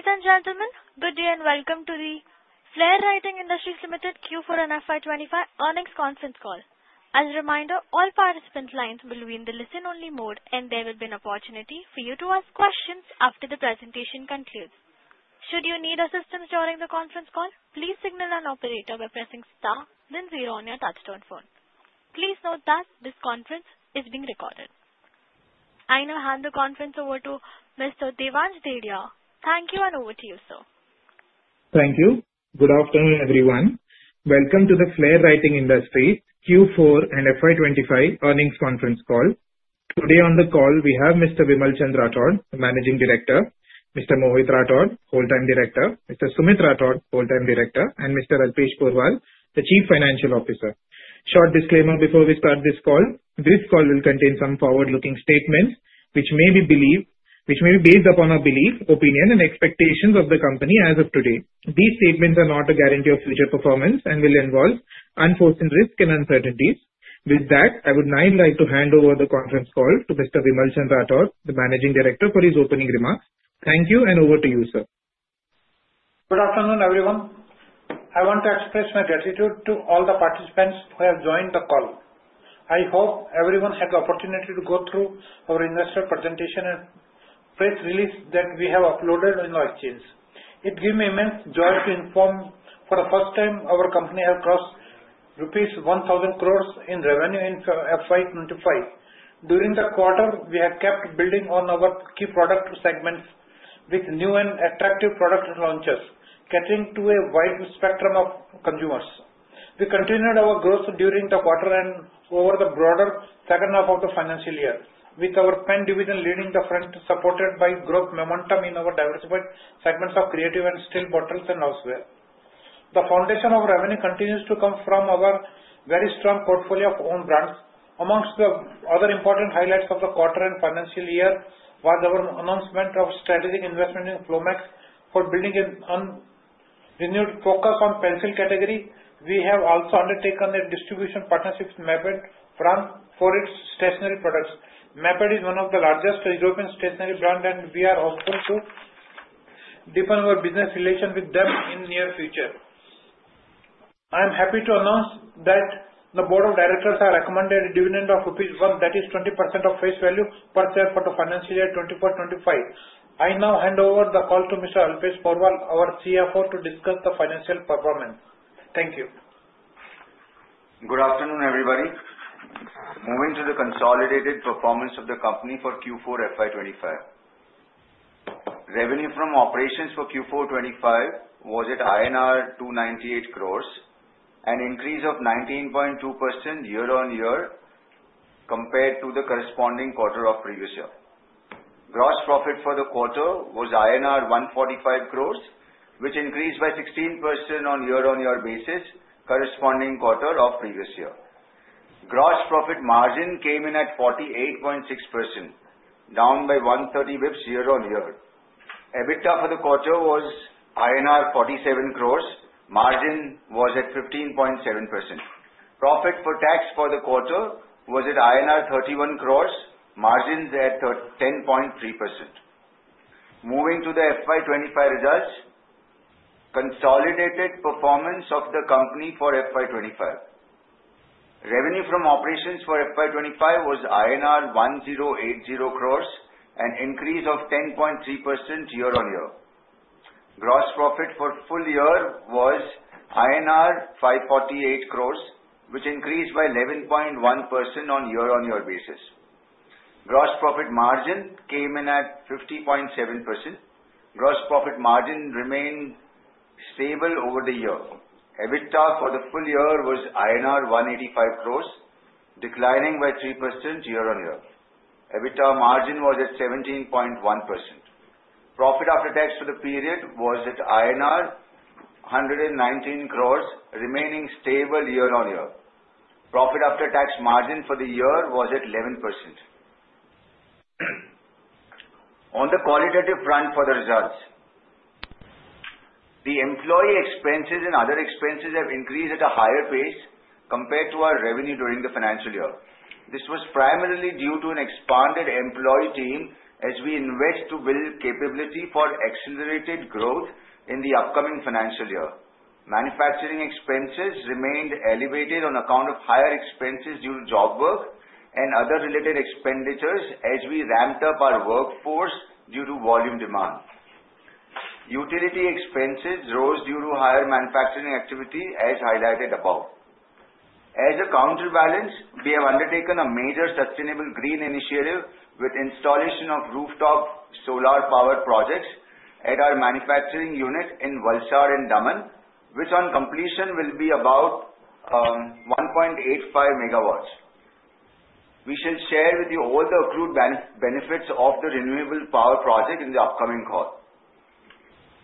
Ladies and gentlemen, good day and welcome to the Flair Writing Industries Limited Q4 and FY25 earnings conference call. As a reminder, all participants' lines will be in the listen-only mode, and there will be an opportunity for you to ask questions after the presentation concludes. Should you need assistance during the conference call, please signal an operator by pressing star, then zero on your touch-tone phone. Please note that this conference is being recorded. I now hand the conference over to Mr. Devansh Dedhia. Thank you, and over to you, sir. Thank you. Good afternoon, everyone. Welcome to the Flair Writing Industries Q4 and FY25 earnings conference call. Today on the call, we have Mr. Vimalchand Rathod, the Managing Director, Mr. Mohit Rathod, Whole-Time Director, Mr. Sumit Rathod, Whole-Time Director, and Mr. Alpesh Porwal, the Chief Financial Officer. Short disclaimer before we start this call: this call will contain some forward-looking statements which may be based upon our belief, opinion, and expectations of the company as of today. These statements are not a guarantee of future performance and will involve unforeseen risks and uncertainties. With that, I would now like to hand over the conference call to Mr. Vimalchand Rathod, the Managing Director, for his opening remarks. Thank you, and over to you, sir. Good afternoon, everyone. I want to express my gratitude to all the participants who have joined the call. I hope everyone had the opportunity to go through our investor presentation and press release that we have uploaded on the exchange. It gives me immense joy to inform for the first time our company has crossed rupees 1,000 crores in revenue in FY 2025. During the quarter, we have kept building on our key product segments with new and attractive product launches, catering to a wide spectrum of consumers. We continued our growth during the quarter and over the broader second half of the financial year, with our pen division leading the front, supported by growth momentum in our diversified segments of Creative and Steel Bottles and elsewhere. The foundation of revenue continues to come from our very strong portfolio of own brands. Among the other important highlights of the quarter and financial year was our announcement of strategic investment in Flomax for building a renewed focus on the pencil category. We have also undertaken a distribution partnership with Maped for its stationery products. Maped is one of the largest European stationery brands, and we are hopeful to deepen our business relations with them in the near future. I am happy to announce that the Board of Directors has recommended a dividend of ₹1, that is 20% of face value per share for the financial year 2024-2025. I now hand over the call to Mr. Alpesh Porwal, our CFO, to discuss the financial performance. Thank you. Good afternoon, everybody. Moving to the consolidated performance of the company for Q4 FY2025. Revenue from operations for Q4-2025 was at INR 298 crores, an increase of 19.2% year-on-year compared to the corresponding quarter of previous year. Gross profit for the quarter was INR 145 crores, which increased by 16% on a year-on-year basis corresponding quarter of previous year. Gross profit margin came in at 48.6%, down by 130 basis points year-on-year. EBITDA for the quarter was INR 47 crores. Margin was at 15.7%. Profit After Tax for the quarter was at INR 31 crores. Margin is at 10.3%. Moving to the FY25 results, consolidated performance of the company for FY25. Revenue from operations for FY25 was INR 1080 crores, an increase of 10.3% year-on-year. Gross profit for full year was INR 548 crores, which increased by 11.1% on a year-on-year basis. Gross profit margin came in at 50.7%. Gross profit margin remained stable over the year. EBITDA for the full year was INR 185 crores, declining by 3% year-on-year. EBITDA margin was at 17.1%. Profit After Tax for the period was at INR 119 crores, remaining stable year-on-year. Profit After Tax margin for the year was at 11%. On the qualitative front for the results, the employee expenses and other expenses have increased at a higher pace compared to our revenue during the financial year. This was primarily due to an expanded employee team as we invest to build capability for accelerated growth in the upcoming financial year. Manufacturing expenses remained elevated on account of higher expenses due to job work and other related expenditures as we ramped up our workforce due to volume demand. Utility expenses rose due to higher manufacturing activity as highlighted above. As a counterbalance, we have undertaken a major sustainable green initiative with installation of rooftop solar-powered projects at our manufacturing unit in Valsad and Daman, which on completion will be about 1.85 megawatts. We shall share with you all the accrued benefits of the renewable power project in the upcoming call.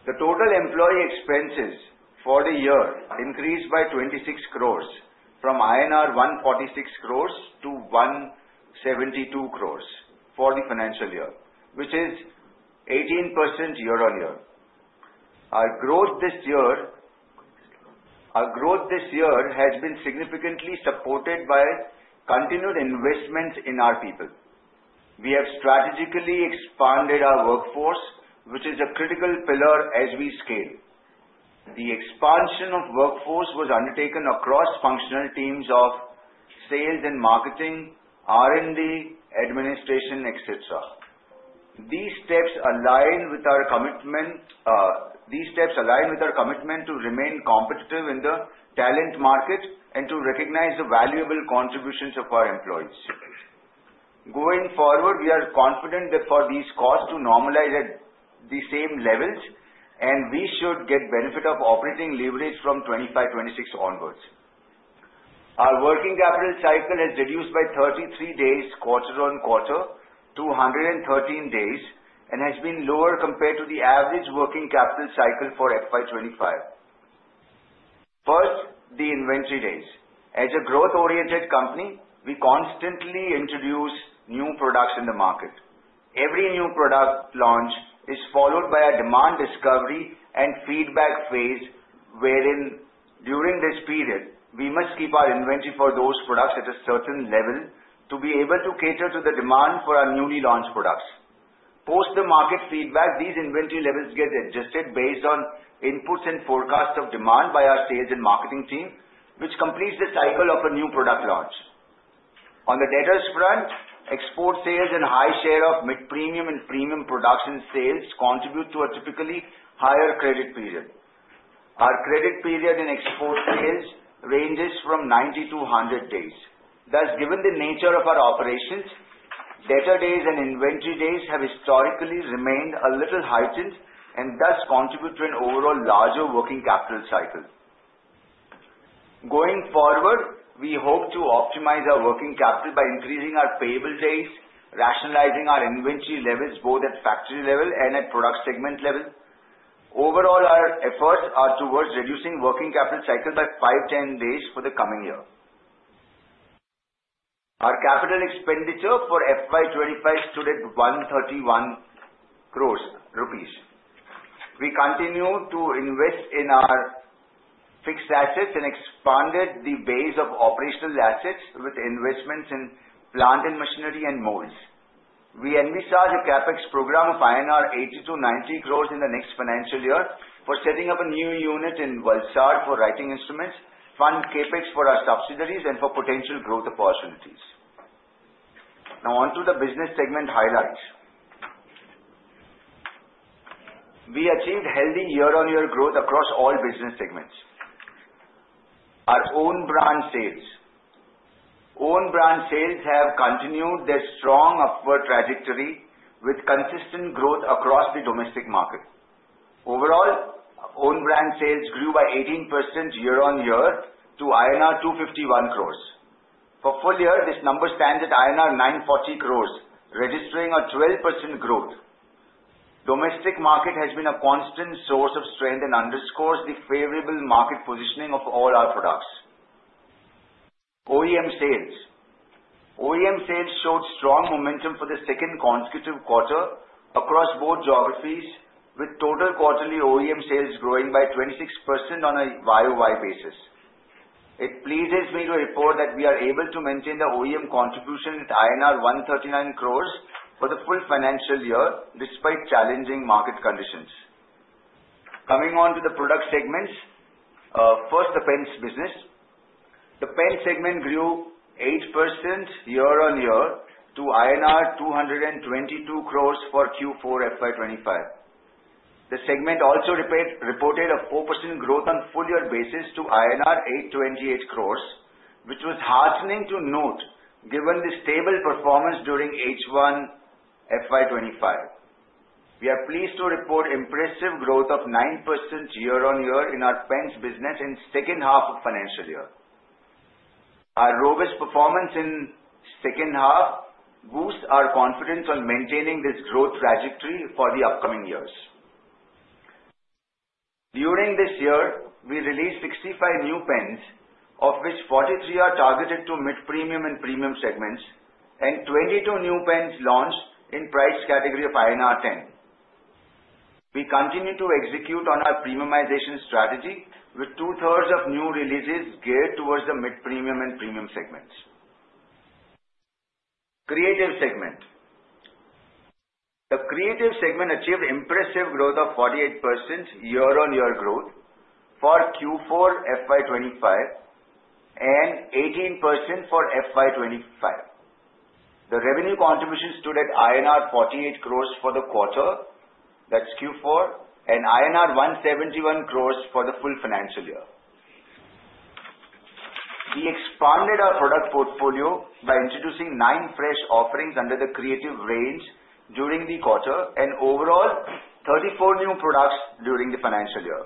The total employee expenses for the year increased by 26 crores from INR 146 crores to 172 crores for the financial year, which is 18% year-on-year. Our growth this year has been significantly supported by continued investments in our people. We have strategically expanded our workforce, which is a critical pillar as we scale. The expansion of workforce was undertaken across functional teams of Sales and Marketing, R&D, Administration, etc. These steps align with our commitment to remain competitive in the talent market and to recognize the valuable contributions of our employees. Going forward, we are confident that for these costs to normalize at the same levels, and we should get benefit of operating leverage from 2025-2026 onwards. Our working capital cycle has reduced by 33 days quarter on quarter to 113 days and has been lower compared to the average working capital cycle for FY2025. First, the inventory days. As a growth-oriented company, we constantly introduce new products in the market. Every new product launch is followed by a demand discovery and feedback phase wherein during this period, we must keep our inventory for those products at a certain level to be able to cater to the demand for our newly launched products. Post the market feedback, this inventory levels get adjusted based on inputs and forecasts of demand by our sales and marketing team, which completes the cycle of a new product launch. On the Debtors' front, export sales and high share of premium and premium production sales contribute to a typically higher credit period. Our credit period in export sales ranges from 90 to 100 days. Thus, given the nature of our operations, debtor days and inventory days have historically remained a little heightened and thus contribute to an overall larger working capital cycle. Going forward, we hope to optimize our working capital by increasing our payable days, rationalizing our inventory levels both at factory level and at product segment level. Overall, our efforts are towards reducing working capital cycle by 5-10 days for the coming year. Our capital expenditure for FY2025 stood at INR 131 crores. We continue to invest in our fixed assets and expanded the base of operational assets with investments in plant and machinery and molds. We envisage a CapEx program of INR 80-90 crores in the next financial year for setting up a new unit in Valsad for writing instruments, fund CapEx for our subsidiaries, and for potential growth opportunities. Now, on to the business segment highlights. We achieved healthy year-on-year growth across all business segments. Our own brand sales. Own brand sales have continued their strong upward trajectory with consistent growth across the domestic market. Overall, own brand sales grew by 18% year-on-year to INR 251 crores. For full year, this number stands at INR 940 crores, registering a 12% growth. Domestic market has been a constant source of strength and underscores the favorable market positioning of all our products. OEM sales. OEM sales showed strong momentum for the second consecutive quarter across both geographies, with total quarterly OEM sales growing by 26% on a YOY basis. It pleases me to report that we are able to maintain the OEM contribution at INR 139 crores for the full financial year despite challenging market conditions. Coming on to the product segments, first, the pens business. The pen segment grew 8% year-on-year to INR 222 crores for Q4 FY25. The segment also reported a 4% growth on a full-year basis to INR 828 crores, which was heartening to note given the stable performance during H1 FY25. We are pleased to report impressive growth of 9% year-on-year in our pens business in the second half of the financial year. Our robust performance in the second half boosts our confidence on maintaining this growth trajectory for the upcoming years. During this year, we released 65 new pens, of which 43 are targeted to mid-premium and premium segments, and 22 new pens launched in the price category of INR 10. We continue to execute on our premiumization strategy with two-thirds of new releases geared towards the mid-premium and premium segments. Creative segment. The Creative segment achieved impressive growth of 48% year-on-year for Q4 FY25 and 18% for FY25. The revenue contribution stood at INR 48 crores for the quarter, that's Q4, and INR 171 crores for the full financial year. We expanded our product portfolio by introducing nine fresh offerings under the Creative range during the quarter and overall 34 new products during the financial year.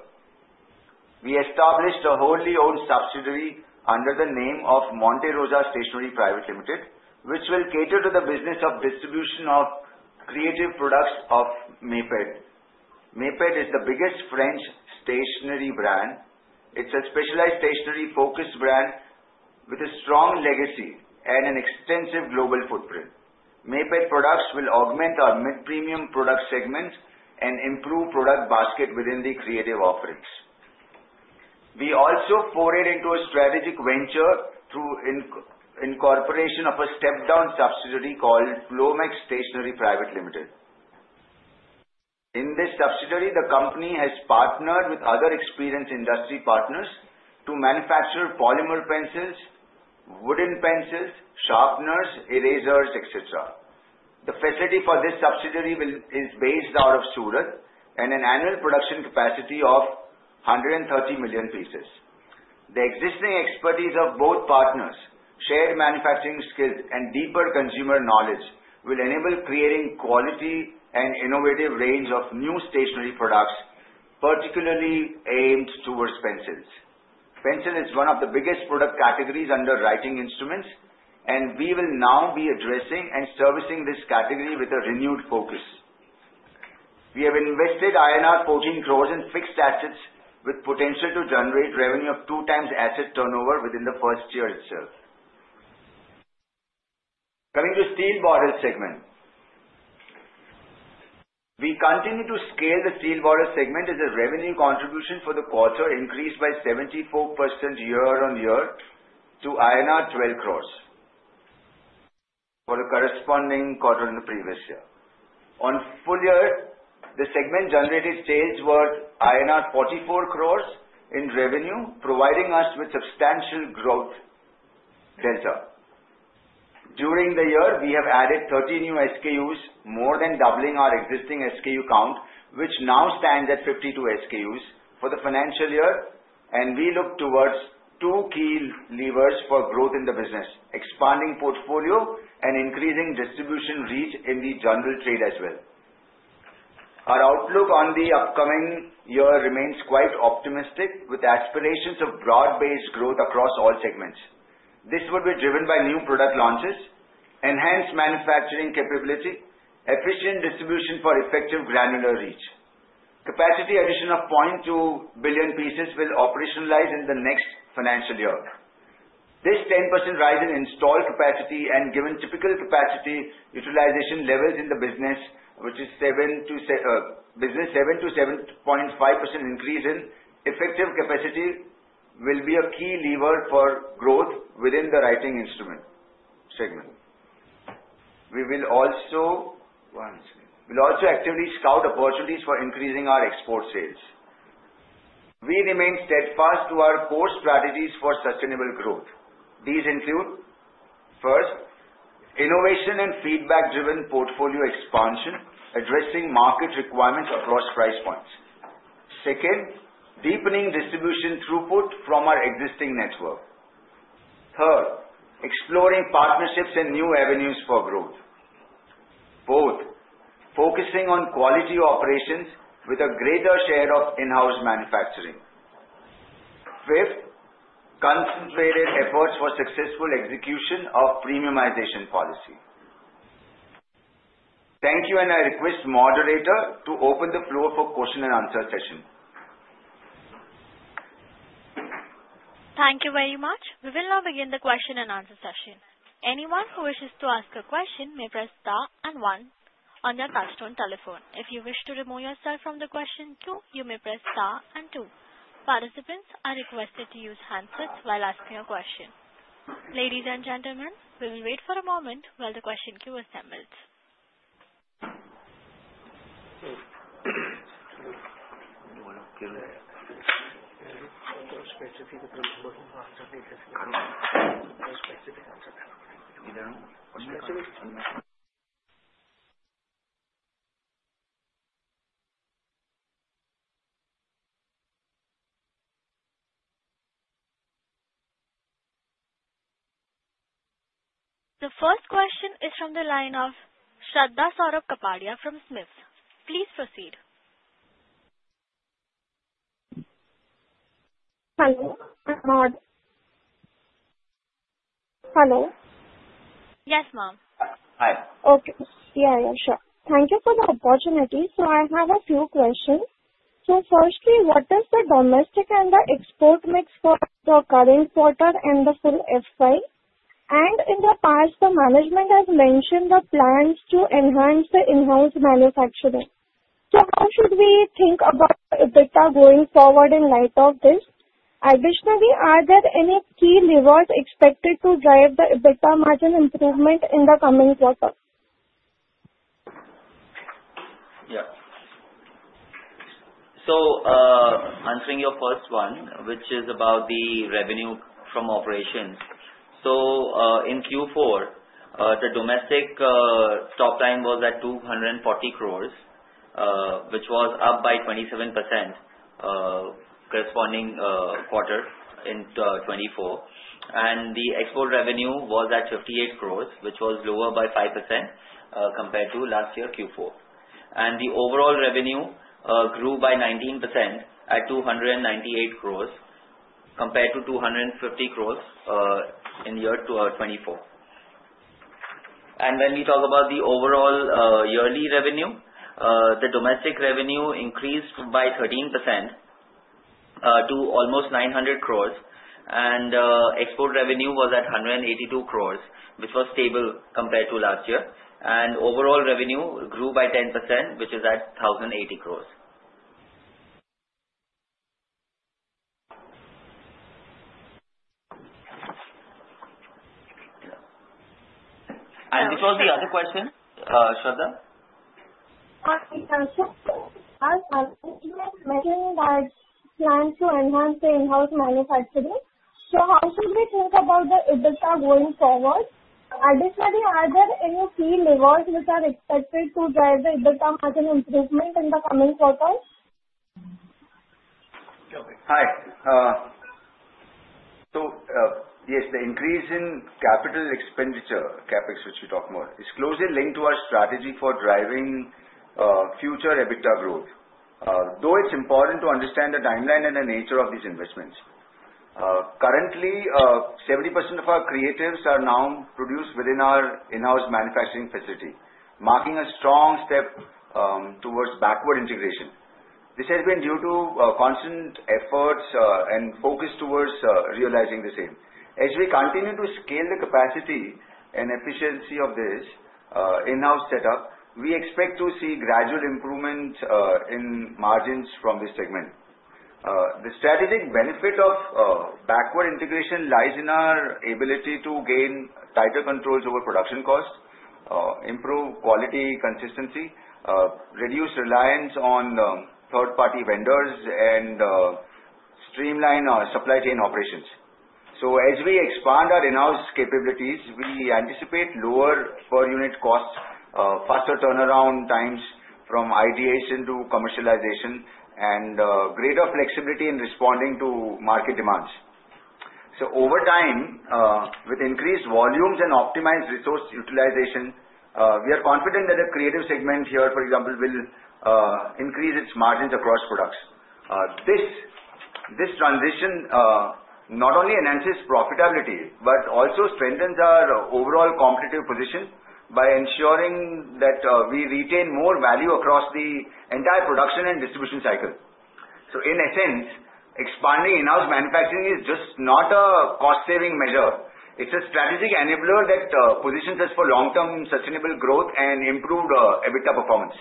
We established a wholly owned subsidiary under the name of Monte Rosa Stationery Private Limited, which will cater to the business of distribution of Creative products of Maped. Maped is the biggest French stationery brand. It's a specialized stationery-focused brand with a strong legacy and an extensive global footprint. Maped products will augment our mid-premium product segment and improve product basket within the Creative offerings. We also forayed into a strategic venture through the incorporation of a step-down subsidiary called Flomax Stationery Private Limited. In this subsidiary, the company has partnered with other experienced industry partners to manufacture polymer pencils, wooden pencils, sharpeners, erasers, etc. The facility for this subsidiary is based out of Surat, and an annual production capacity of 130 million pieces. The existing expertise of both partners, shared manufacturing skills, and deeper consumer knowledge will enable creating quality and innovative range of new stationery products, particularly aimed towards pencils. Pencil is one of the biggest product categories under writing instruments, and we will now be addressing and servicing this category with a renewed focus. We have invested INR 14 crores in fixed assets with potential to generate revenue of two times asset turnover within the first year itself. Coming to the steel bottle segment, we continue to scale the steel bottle segment, as a revenue contribution for the quarter increased by 74% year-on-year to INR 12 crores for the corresponding quarter in the previous year. On full year, the segment generated sales worth INR 44 crores in revenue, providing us with substantial growth delta. During the year, we have added 30 new SKUs, more than doubling our existing SKU count, which now stands at 52 SKUs for the financial year, and we look towards two key levers for growth in the business: expanding portfolio and increasing distribution reach in the general trade as well. Our outlook on the upcoming year remains quite optimistic with aspirations of broad-based growth across all segments. This would be driven by new product launches, enhanced manufacturing capability, efficient distribution for effective granular reach. Capacity addition of 0.2 billion pieces will operationalize in the next financial year. This 10% rise in installed capacity and given typical capacity utilization levels in the business, which is 7%-7.5% increase in effective capacity, will be a key lever for growth within the writing instrument segment. We will also actively scout opportunities for increasing our export sales. We remain steadfast to our core strategies for sustainable growth. These include, first, innovation and feedback-driven portfolio expansion, addressing market requirements across price points. Second, deepening distribution throughput from our existing network. Third, exploring partnerships and new avenues for growth. Fourth, focusing on quality operations with a greater share of in-house manufacturing. Fifth, concentrated efforts for successful execution of premiumization policy. Thank you, and I request the moderator to open the floor for question and answer session. Thank you very much. We will now begin the question and answer session. Anyone who wishes to ask a question may press star and one on their touch-tone telephone. If you wish to remove yourself from the question queue, you may press star and two. Participants are requested to use handsets while asking a question. Ladies and gentlemen, we will wait for a moment while the question queue assembles. The first question is from the line of Shraddha Saurabh Kapadia from Asian Market Securities. Please proceed. Hello. Hello. Yes, ma'am. Hi. Okay. Yeah, yeah, sure. Thank you for the opportunity. So I have a few questions. So firstly, what is the domestic and the export mix for the current quarter and the full FY? In the past, the management has mentioned the plans to enhance the in-house manufacturing. So how should we think about EBITDA going forward in light of this? Additionally, are there any key levers expected to drive the EBITDA margin improvement in the coming quarter? Yeah. So answering your first one, which is about the revenue from operations. So in Q4, the domestic top line was at 240 crores, which was up by 27% corresponding quarter in 2024. And the export revenue was at 58 crores, which was lower by 5% compared to last year, Q4. And the overall revenue grew by 19% at 298 crores compared to 250 crores in year 2024. And when we talk about the overall yearly revenue, the domestic revenue increased by 13% to almost 900 crores, and export revenue was at 182 crores, which was stable compared to last year. Overall revenue grew by 10%, which is at 1,080 crores. This was the other question, Shraddha. Plan to enhance the in-house manufacturing. So how should we think about the EBITDA going forward? Additionally, are there any key levers which are expected to drive the EBITDA margin improvement in the coming quarter? Hi. So yes, the increase in capital expenditure, CapEx, which we talked about, is closely linked to our strategy for driving future EBITDA growth. Though it's important to understand the timeline and the nature of these investments. Currently, 70% of our Creatives are now produced within our in-house manufacturing facility, marking a strong step towards backward integration. This has been due to constant efforts and focus towards realizing the same. As we continue to scale the capacity and efficiency of this in-house setup, we expect to see gradual improvement in margins from this segment. The strategic benefit of backward integration lies in our ability to gain tighter controls over production cost, improve quality consistency, reduce reliance on third-party vendors, and streamline our supply chain operations. So as we expand our in-house capabilities, we anticipate lower per-unit costs, faster turnaround times from ideation to commercialization, and greater flexibility in responding to market demands. So over time, with increased volumes and optimized resource utilization, we are confident that the Creative segment here, for example, will increase its margins across products. This transition not only enhances profitability but also strengthens our overall competitive position by ensuring that we retain more value across the entire production and distribution cycle. So in a sense, expanding in-house manufacturing is just not a cost-saving measure. It's a strategic enabler that positions us for long-term sustainable growth and improved EBITDA performance.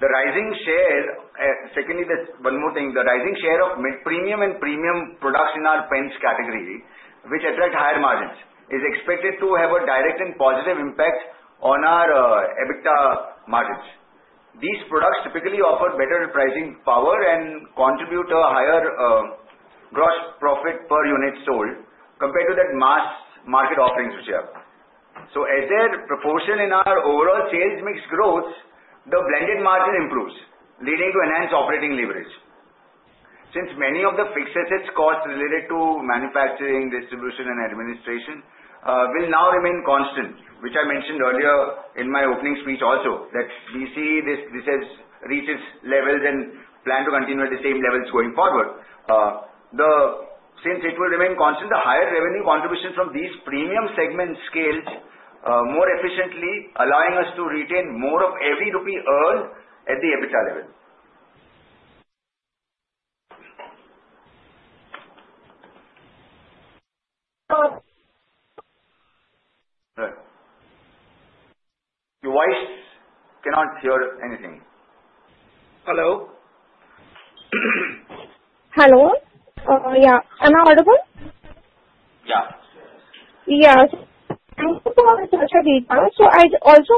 The rising share, secondly, one more thing, the rising share of mid-premium and premium products in our pens category, which attract higher margins, is expected to have a direct and positive impact on our EBITDA margins. These products typically offer better pricing power and contribute to a higher gross profit per unit sold compared to that mass market offerings which we have. So as their proportion in our overall sales mix grows, the blended margin improves, leading to enhanced operating leverage. Since many of the fixed assets costs related to manufacturing, distribution, and administration will now remain constant, which I mentioned earlier in my opening speech also, that we see this has reached its levels and plan to continue at the same levels going forward, since it will remain constant, the higher revenue contribution from these premium segments scales more efficiently, allowing us to retain more of every rupee earned at the EBITDA level. Thank you for the details. So I also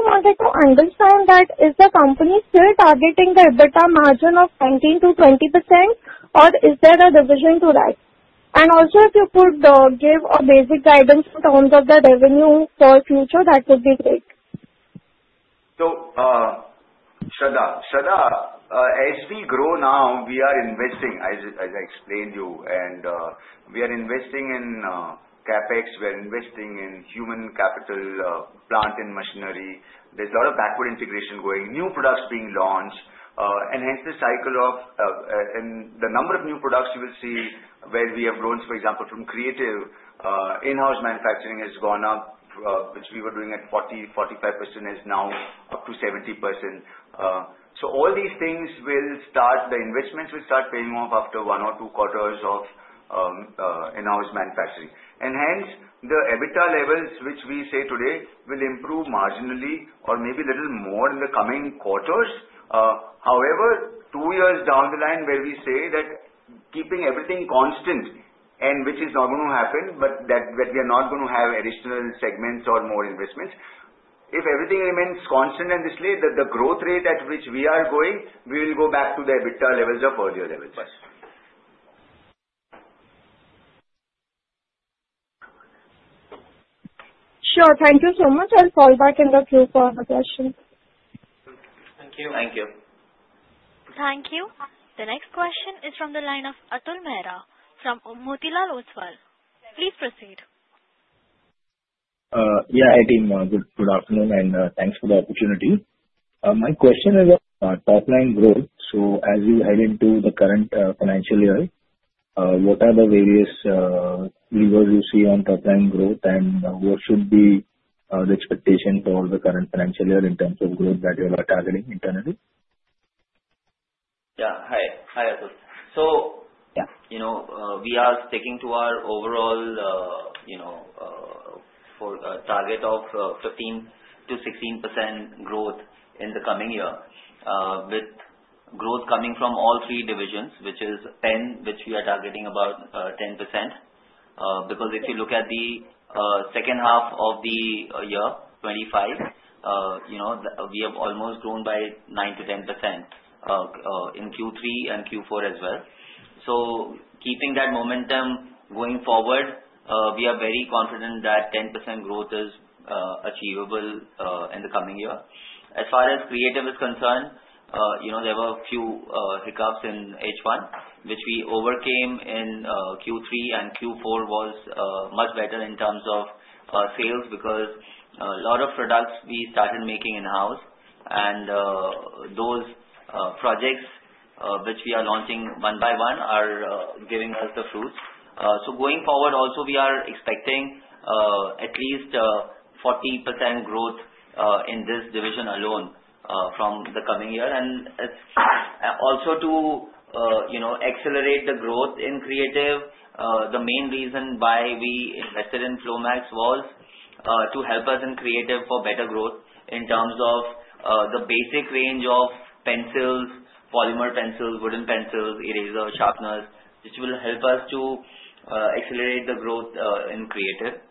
wanted to understand that is the company still targeting the EBITDA margin of 19%-20%, or is there a revision to that? And also, if you could give a basic guidance in terms of the revenue for future, that would be great. So Shraddha, Shraddha, as we grow now, we are investing, as I explained to you, and we are investing in CapEx. We are investing in human capital, plant and machinery. There's a lot of backward integration going, new products being launched, enhanced the cycle of the number of new products you will see where we have grown, for example, from Creative, in-house manufacturing has gone up, which we were doing at 40%-45% is now up to 70%. So all these things will start. The investments will start paying off after one or two quarters of in-house manufacturing. And hence, the EBITDA levels, which we say today, will improve marginally or maybe a little more in the coming quarters. However, two years down the line, where we say that keeping everything constant, which is not going to happen, but that we are not going to have additional segments or more investments, if everything remains constant at this late, the growth rate at which we are going, we will go back to the EBITDA levels of earlier levels. Sure. Thank you so much. I'll fall back in the queue for the question. Thank you. Thank you. Thank you. The next question is from the line of Atul Mehra from Motilal Oswal. Please proceed. Yeah, team, good afternoon, and thanks for the opportunity. My question is top-line growth. So as you head into the current financial year, what are the various levers you see on top-line growth, and what should be the expectation for the current financial year in terms of growth that you are targeting internally? Yeah. Hi. Hi, Atul. We are sticking to our overall target of 15%-16% growth in the coming year, with growth coming from all three divisions, which is pen, which we are targeting about 10%. Because if you look at the second half of the year, 2025, we have almost grown by 9%-10% in Q3 and Q4 as well. So keeping that momentum going forward, we are very confident that 10% growth is achievable in the coming year. As far as Creative is concerned, there were a few hiccups in H1, which we overcame in Q3, and Q4 was much better in terms of sales because a lot of products we started making in-house. And those projects, which we are launching one by one, are giving us the fruits. So going forward, also, we are expecting at least 40% growth in this division alone from the coming year. Also to accelerate the growth in Creative, the main reason why we invested in Flomax was to help us in Creative for better growth in terms of the basic range of pencils, polymer pencils, wooden pencils, eraser sharpeners, which will help us to accelerate the growth in Creative.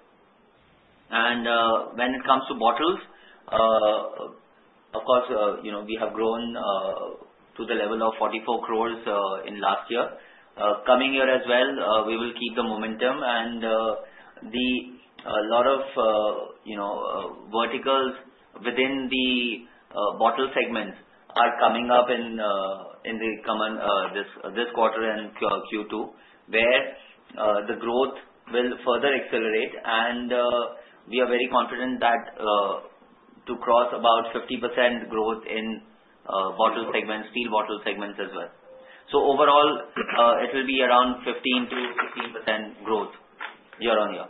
When it comes to bottles, of course, we have grown to the level of 44 crores in last year. Coming year as well, we will keep the momentum. A lot of verticals within the bottle segments are coming up in the coming this quarter and Q2, where the growth will further accelerate. We are very confident that to cross about 50% growth in bottle segments, steel bottle segments as well. Overall, it will be around 15%-16% growth year on year.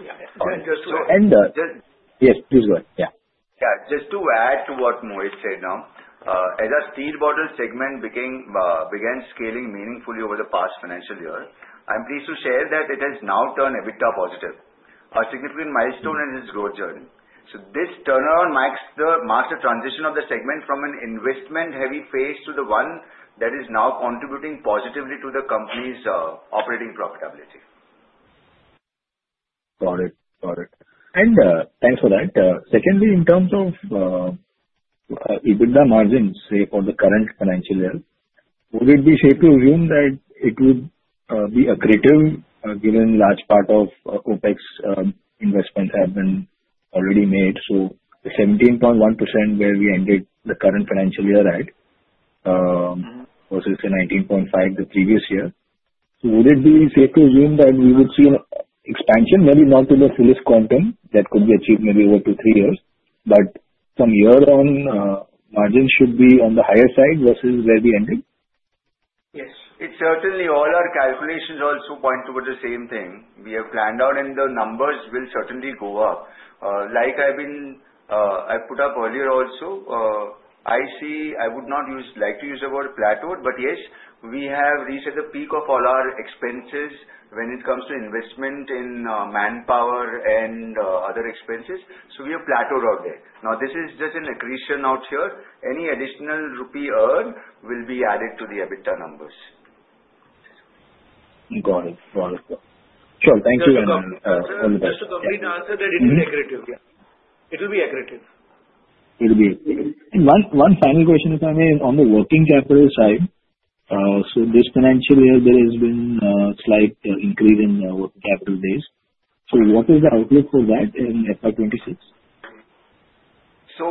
Yeah. And just to end. Yes, please go ahead. Yeah. Yeah. Just to add to what Mohit said now, as our steel bottle segment began scaling meaningfully over the past financial year, I'm pleased to share that it has now turned EBITDA positive, a significant milestone in its growth journey. So this turnaround marks the major transition of the segment from an investment-heavy phase to the one that is now contributing positively to the company's operating profitability. Got it. Got it. And thanks for that. Secondly, in terms of EBITDA margins, say, for the current financial year, would it be safe to assume that it would be aggressive given a large part of OpEx investments have been already made? So 17.1% where we ended the current financial year at versus 19.5% the previous year. So would it be safe to assume that we would see an expansion, maybe not to the fullest content that could be achieved maybe over two to three years, but from year on, margins should be on the higher side versus where we ended? Yes. It certainly all our calculations also point towards the same thing. We have planned out, and the numbers will certainly go up. Like I put up earlier also, I would not like to use the word plateau, but yes, we have reached at the peak of all our expenses when it comes to investment in manpower and other expenses. So we have plateaued out there. Now, this is just an accretion out here. Any additional rupee earned will be added to the EBITDA numbers. Got it. Got it. Sure. Thank you very much. Thank you so much. Just to complete the answer, that it will be aggressive. Yeah. It will be aggressive. It will be. One final question, if I may, on the working capital side. So this financial year, there has been a slight increase in working capital days. So what is the outlook for that in FY26? So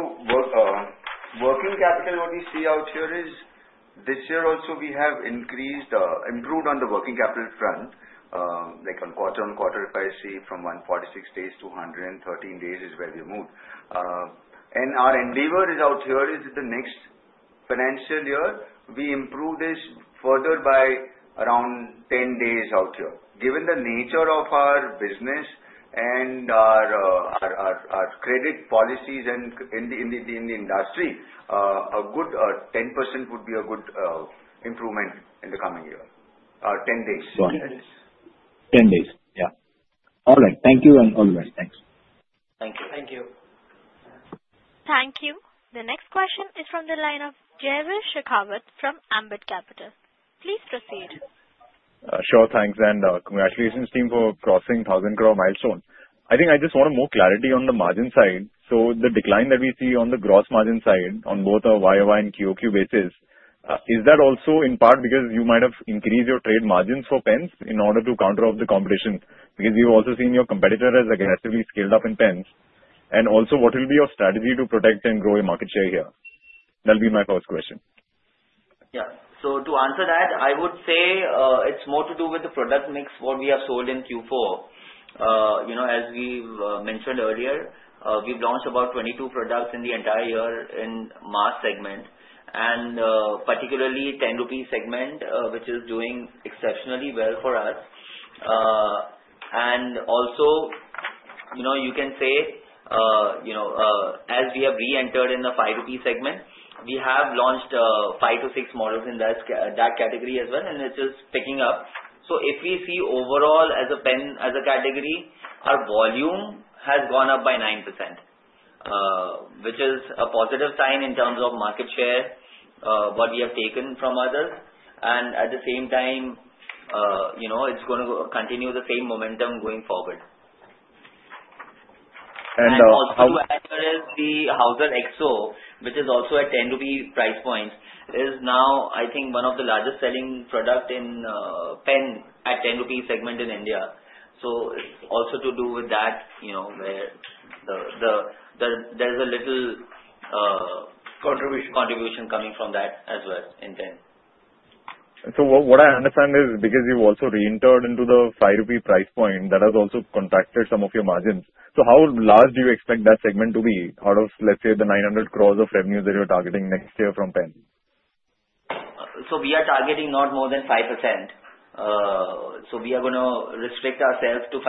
working capital, what we see out here is this year also we have improved on the working capital front, like on quarter on quarter, if I see from 146 days to 113 days is where we moved, and our endeavor out here is the next financial year, we improve this further by around 10 days out here. Given the nature of our business and our credit policies in the industry, a good 10% would be a good improvement in the coming year. 10 days. Got it. 10 days. Yeah. All right. Thank you and all the best. Thanks. Thank you. Thank you. Thank you. The next question is from the line of Jerrish Hakavat from Ambit Capital. Please proceed. Sure. Thanks. And congratulations, team, for crossing 1,000 crore milestone. I think I just want more clarity on the margin side. So the decline that we see on the gross margin side on both our YoY and QoQ basis, is that also in part because you might have increased your trade margins for pens in order to counter off the competition? Because you've also seen your competitor has aggressively scaled up in pens. And also, what will be your strategy to protect and grow your market share here? That'll be my first question. Yeah. So to answer that, I would say it's more to do with the product mix, what we have sold in Q4. As we mentioned earlier, we've launched about 22 products in the entire year in mass segment, and particularly the 10-rupee segment, which is doing exceptionally well for us, and also, you can say as we have re-entered in the five-rupee segment, we have launched five to six models in that category as well, and it's just picking up. So if we see overall as a category, our volume has gone up by 9%, which is a positive sign in terms of market share, what we have taken from others, and at the same time, it's going to continue the same momentum going forward, and also there is the Hauser XO, which is also at 10-rupee price point, is now, I think, one of the largest selling products in pen at 10-rupee segment in India. It's also to do with that where there's a little contribution coming from that as well in pen. What I understand is because you've also re-entered into the 5 rupee price point, that has also contracted some of your margins. How large do you expect that segment to be out of, let's say, the 900 crores of revenues that you're targeting next year from pen? We are targeting not more than 5%. We are going to restrict ourselves to 5%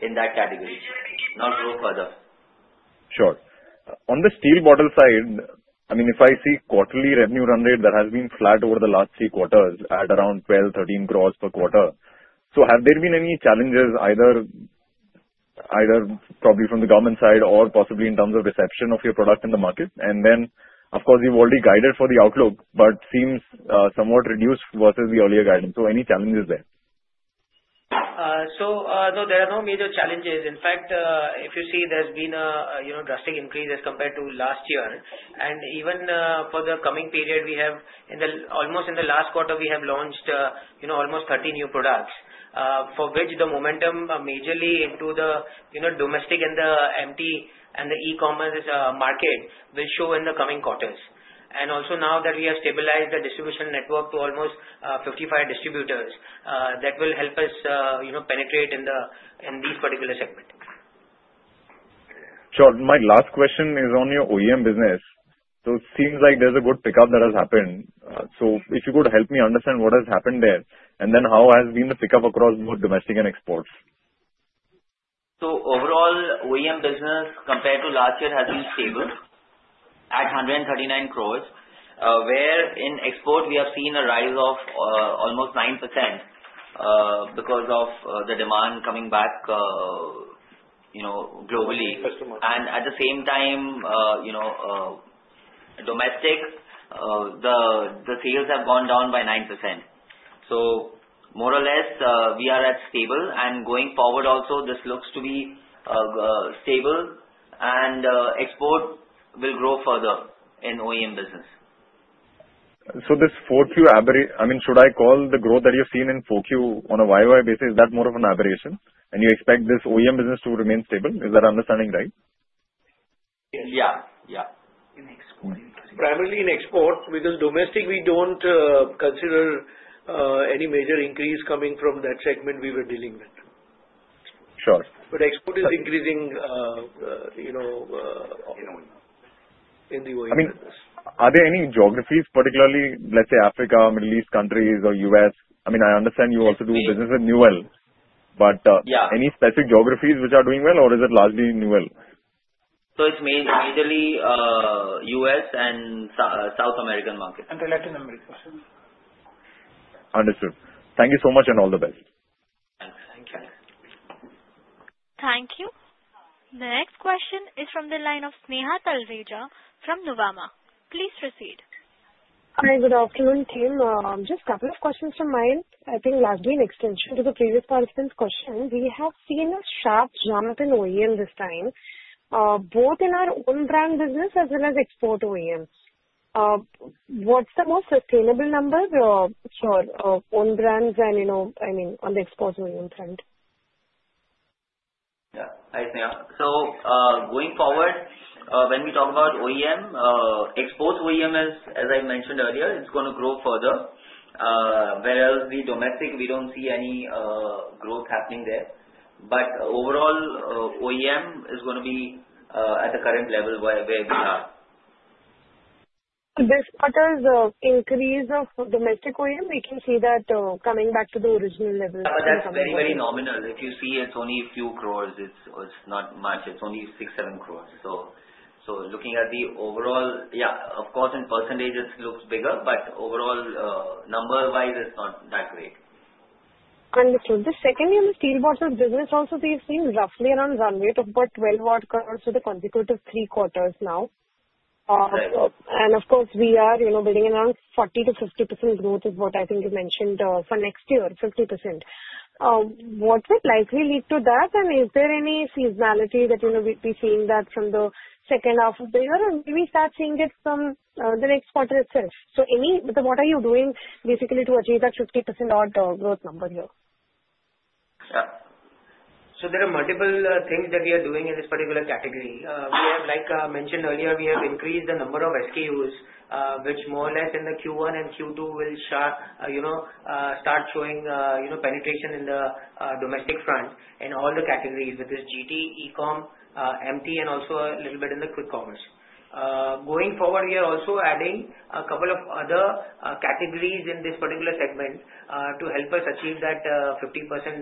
in that category, not grow further. Sure. On the steel bottle side, I mean, if I see quarterly revenue run rate that has been flat over the last three quarters at around 12-13 crores per quarter, have there been any challenges either probably from the government side or possibly in terms of reception of your product in the market? And then, of course, you've already guided for the outlook, but seems somewhat reduced versus the earlier guidance. So any challenges there? So no, there are no major challenges. In fact, if you see, there's been a drastic increase as compared to last year. And even for the coming period, we have almost in the last quarter, we have launched almost 30 new products, for which the momentum majorly into the domestic and the MT and the e-commerce market will show in the coming quarters. And also now that we have stabilized the distribution network to almost 55 distributors, that will help us penetrate in these particular segments. Sure. My last question is on your OEM business. So it seems like there's a good pickup that has happened. So if you could help me understand what has happened there, and then how has been the pickup across both domestic and exports? So overall, OEM business compared to last year has been stable at 139 crores, where in export, we have seen a rise of almost 9% because of the demand coming back globally. And at the same time, domestic, the sales have gone down by 9%. So more or less, we are at stable. And going forward, also, this looks to be stable, and export will grow further in OEM business. So this 4Q, I mean, should I call the growth that you've seen in 4Q on a YOY basis, is that more of an aberration? And you expect this OEM business to remain stable? Is that understanding right? Yes. Yeah. Yeah. In export. Primarily in export. With the domestic, we don't consider any major increase coming from that segment we were dealing with. But export is increasing in the OEM business. I mean, are there any geographies, particularly, let's say, Africa, Middle East countries, or US? I mean, I understand you also do business with Newell, but any specific geographies which are doing well, or is it largely Newell? So it's mainly U.S. and South American market. Understood. Thank you so much and all the best. Thanks. Thank you. Thank you. The next question is from the line of Sneha Talreja from Nuvama. Please proceed. Hi. Good afternoon, team. Just a couple of questions from mine. I think largely an extension to the previous participant's question. We have seen a sharp jump in OEM this time, both in our own brand business as well as export OEMs. What's the most sustainable number for own brands and, I mean, on the export OEM front? Yeah. Hi, Sneha. So going forward, when we talk about OEM, export OEM, as I mentioned earlier, it's going to grow further. Whereas the domestic, we don't see any growth happening there. But overall, OEM is going to be at the current level where we are. This quarter's increase of domestic OEM, we can see that coming back to the original level. Yeah. But that's very, very nominal. If you see, it's only a few crores. It's not much. It's only six, seven crores. So looking at the overall, yeah, of course, in percentage, it looks bigger, but overall, number-wise, it's not that great. Understood. The second year in the steel bottles business, also, we've seen roughly around a run rate of about 12-odd crores for the consecutive three quarters now. Of course, we are building around 40%-50% growth, which is what I think you mentioned for next year, 50%. What would likely lead to that? Is there any seasonality that we'd be seeing that from the second half of the year? Maybe start seeing it from the next quarter itself. What are you doing, basically, to achieve that 50%-odd growth number here? Yeah. There are multiple things that we are doing in this particular category. Like I mentioned earlier, we have increased the number of SKUs, which more or less in the Q1 and Q2 will start showing penetration in the domestic front in all the categories with this GT, E-com, MT, and also a little bit in the quick commerce. Going forward, we are also adding a couple of other categories in this particular segment to help us achieve that 50%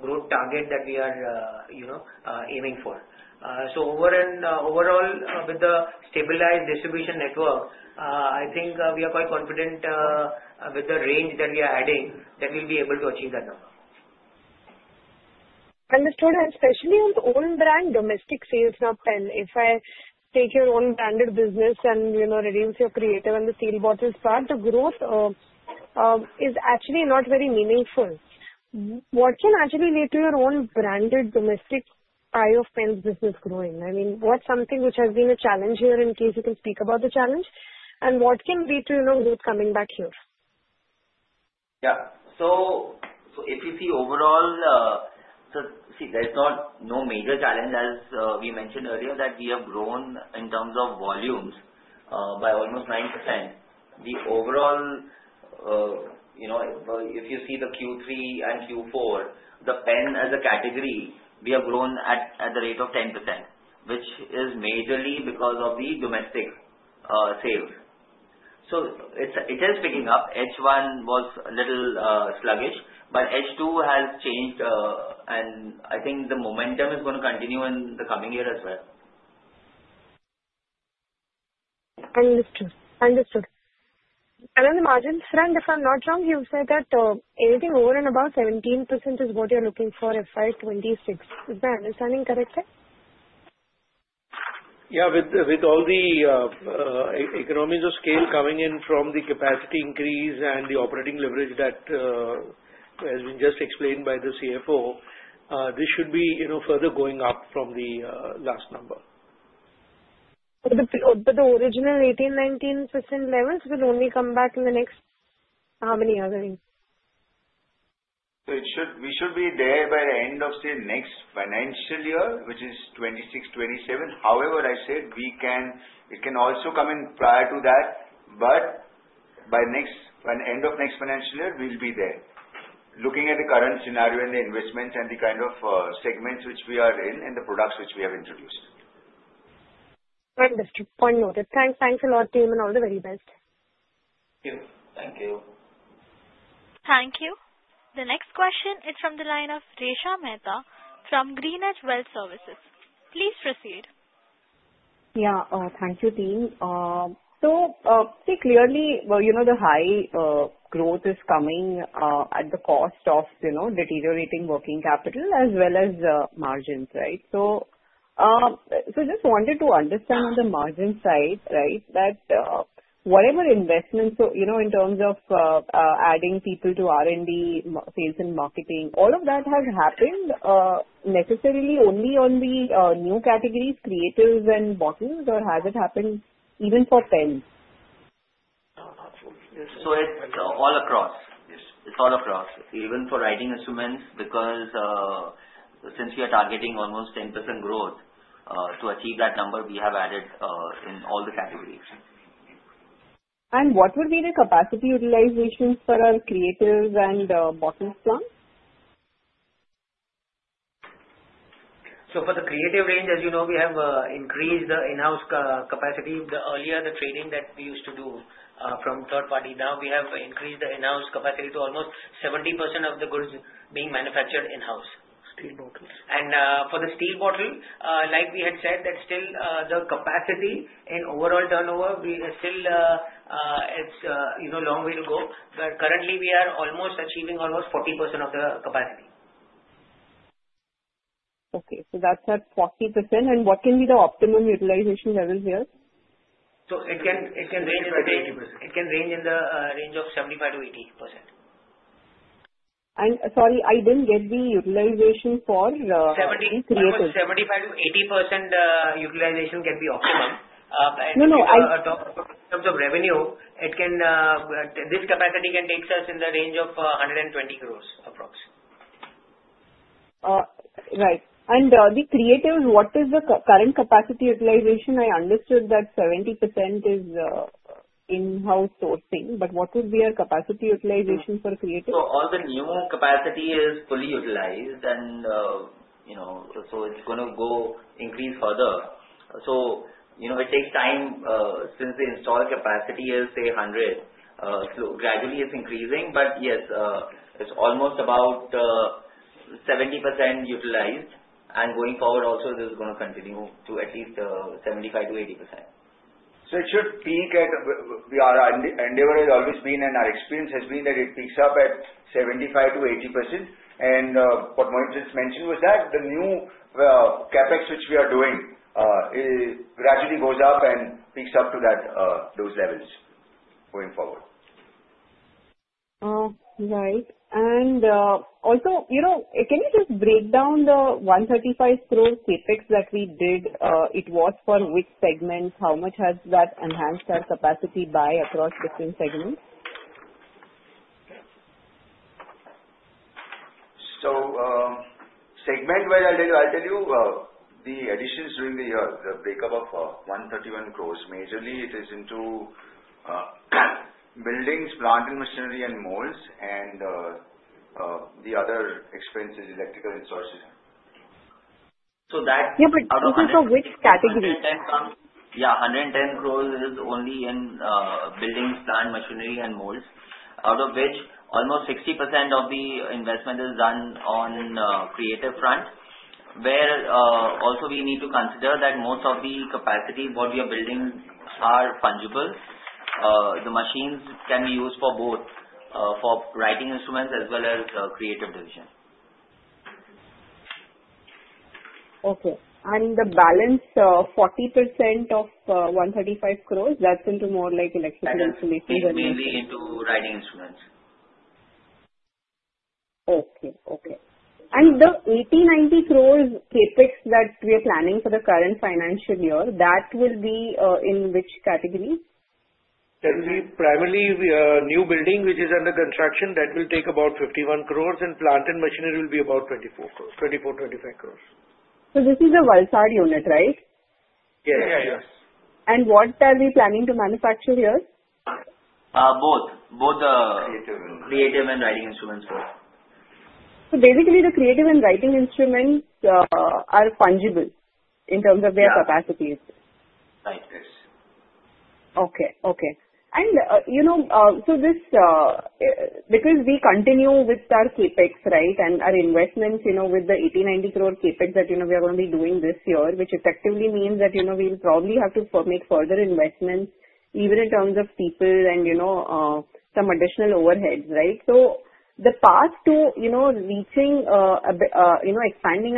growth target that we are aiming for. So overall, with the stabilized distribution network, I think we are quite confident with the range that we are adding that we'll be able to achieve that number. Understood. And especially on the own brand domestic sales in pens now, if I take your own branded business and exclude your Creative and the Steel Bottles part, the growth is actually not very meaningful. What can actually lead to your own branded domestic high-end pens business growing? I mean, what's something which has been a challenge here in case you can speak about the challenge? And what can lead to growth coming back here? Yeah. If you see overall, see, there's no major challenge, as we mentioned earlier, that we have grown in terms of volumes by almost 9%. Overall, if you see the Q3 and Q4, the pen as a category, we have grown at the rate of 10%, which is majorly because of the domestic sales. So it is picking up. H1 was a little sluggish, but H2 has changed, and I think the momentum is going to continue in the coming year as well. Understood. Understood. And on the margin front, if I'm not wrong, you said that anything over and above 17% is what you're looking for FY2026. Is my understanding correct there? Yeah. With all the economies of scale coming in from the capacity increase and the operating leverage that has been just explained by the CFO, this should be further going up from the last number. But the original 18%-19% levels will only come back in the next how many years? We should be there by the end of the next financial year, which is 2026, 2027. However, I said it can also come in prior to that, but by end of next financial year, we'll be there. Looking at the current scenario and the investments and the kind of segments which we are in and the products which we have introduced. Understood. One note. Thanks a lot, team, and all the very best. Thank you. Thank you. Thank you. The next question is from the line of Resha Mehta from GreenEdge Wealth Services. Please proceed. Yeah. Thank you, team. So clearly, the high growth is coming at the cost of deteriorating working capital as well as margins, right? So, just wanted to understand on the margin side, right, that whatever investments in terms of adding people to R&D, sales and marketing, all of that has happened necessarily only on the new categories, Creatives and Bottles, or has it happened even for pens? Absolutely. So it's all across. It's all across, even for writing instruments, because since we are targeting almost 10% growth, to achieve that number, we have added in all the categories. And what would be the capacity utilization for our Creatives and Bottles plants? So for the Creative range, as you know, we have increased the in-house capacity. The earlier the training that we used to do from third party, now we have increased the in-house capacity to almost 70% of the goods being manufactured in-house. Steel Bottles. For the Steel Bottle, like we had said, that still the capacity and overall turnover, still it's a long way to go. But currently, we are almost achieving almost 40% of the capacity. Okay. So that's at 40%. And what can be the optimum utilization level here? So it can range in the 80%. It can range in the range of 75%-80%. And sorry, I didn't get the utilization for Creative. 75%-80% utilization can be optimum. And in terms of revenue, this capacity can take us in the range of 120 crores approximately. Right. And the Creatives, what is the current capacity utilization? I understood that 70% is in-house sourcing, but what would be our capacity utilization for Creative? So all the new capacity is fully utilized, and so it's going to increase further. It takes time since the installed capacity is, say, 100. Gradually, it's increasing, but yes, it's almost about 70% utilized. And going forward, also, this is going to continue to at least 75%-80%. Our endeavor has always been, and our experience has been that it peaks up at 75%-80%. What Mohit just mentioned was that the new CapEx, which we are doing, gradually goes up and peaks up to those levels going forward. Right. Also, can you just break down the 135 crore CapEx that we did? It was for which segment? How much has that enhanced our capacity by across different segments? Segment-wise, I'll tell you the additions during the year, the breakup of 131 crores. Majorly it is into buildings, plant and machinery, and molds, and the other expenses, electrical resources. So that. Yeah, but this is for which category? Yeah. 110 crores is only in buildings, plant machinery, and molds, out of which almost 60% of the investment is done on Creative front, where also we need to consider that most of the capacity, what we are building, are fungible. The machines can be used for both, for writing instruments as well as Creative division. Okay. And the balance, 40% of 135 crores, that's into more like electrical instruments and molds? Yes. It's mainly into writing instruments. Okay. Okay. And the 1890 crores CapEx that we are planning for the current financial year, that will be in which category? That will be primarily new building, which is under construction. That will take about 51 crores, and plant and machinery will be about 24-25 crores. So this is a Valsad unit, right? Yes. Yeah. Yes. What are we planning to manufacture here? Both. Both the Creative and Writing Instruments. So basically, the Creative and Writing Instruments are fungible in terms of their capacities. Right. Yes. Okay. Okay. And so because we continue with our CapEx, right, and our investments with the 189 crore CapEx that we are going to be doing this year, which effectively means that we will probably have to make further investments, even in terms of people and some additional overheads, right? So the path to reaching expanding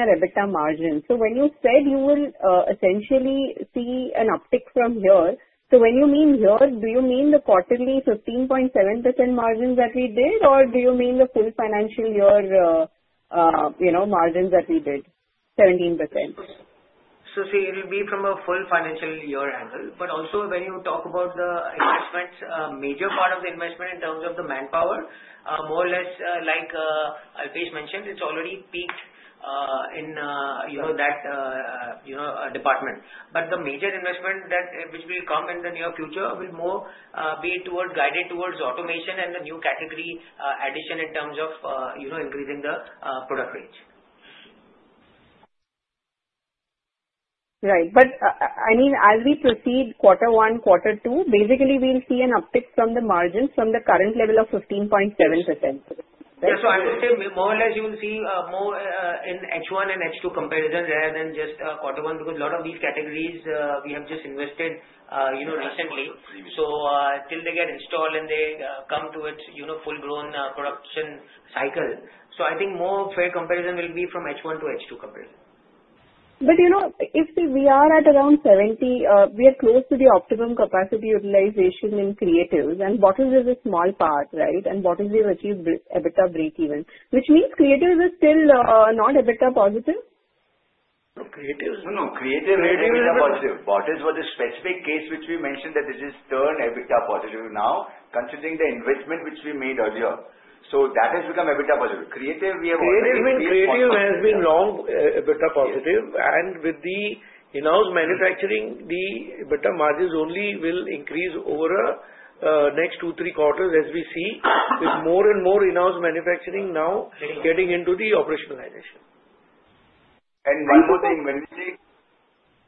our EBITDA margin. So when you said you will essentially see an uptick from here, so when you mean here, do you mean the quarterly 15.7% margins that we did, or do you mean the full financial year margins that we did, 17%? So see, it will be from a full financial year angle. But also, when you talk about the investments, a major part of the investment in terms of the manpower, more or less, like Alpesh mentioned, it's already peaked in that department. But the major investment which will come in the near future will more be guided towards automation and the new category addition in terms of increasing the product range. Right. But I mean, as we proceed, quarter one, quarter two, basically, we'll see an uptick from the margins from the current level of 15.7%. Yeah. So I would say more or less you will see more in H1 and H2 comparison rather than just quarter one because a lot of these categories we have just invested recently. So till they get installed and they come to its full-grown production cycle. So I think more fair comparison will be from H1 to H2 comparison. But if we are at around 70, we are close to the optimum capacity utilization in Creatives. And bottles is a small part, right? And bottles will achieve EBITDA break-even, which means Creatives are still not EBITDA positive? Creatives? No, no. Creative is EBITDA positive. Bottles was a specific case which we mentioned that it is turned EBITDA positive now, considering the investment which we made earlier. So that has become EBITDA positive. Creative, we have already been. Creative and Creative has been long EBITDA positive. And with the in-house manufacturing, the EBITDA margins only will increase over the next two, three quarters, as we see, with more and more in-house manufacturing now getting into the operationalization. And one more thing. When we say,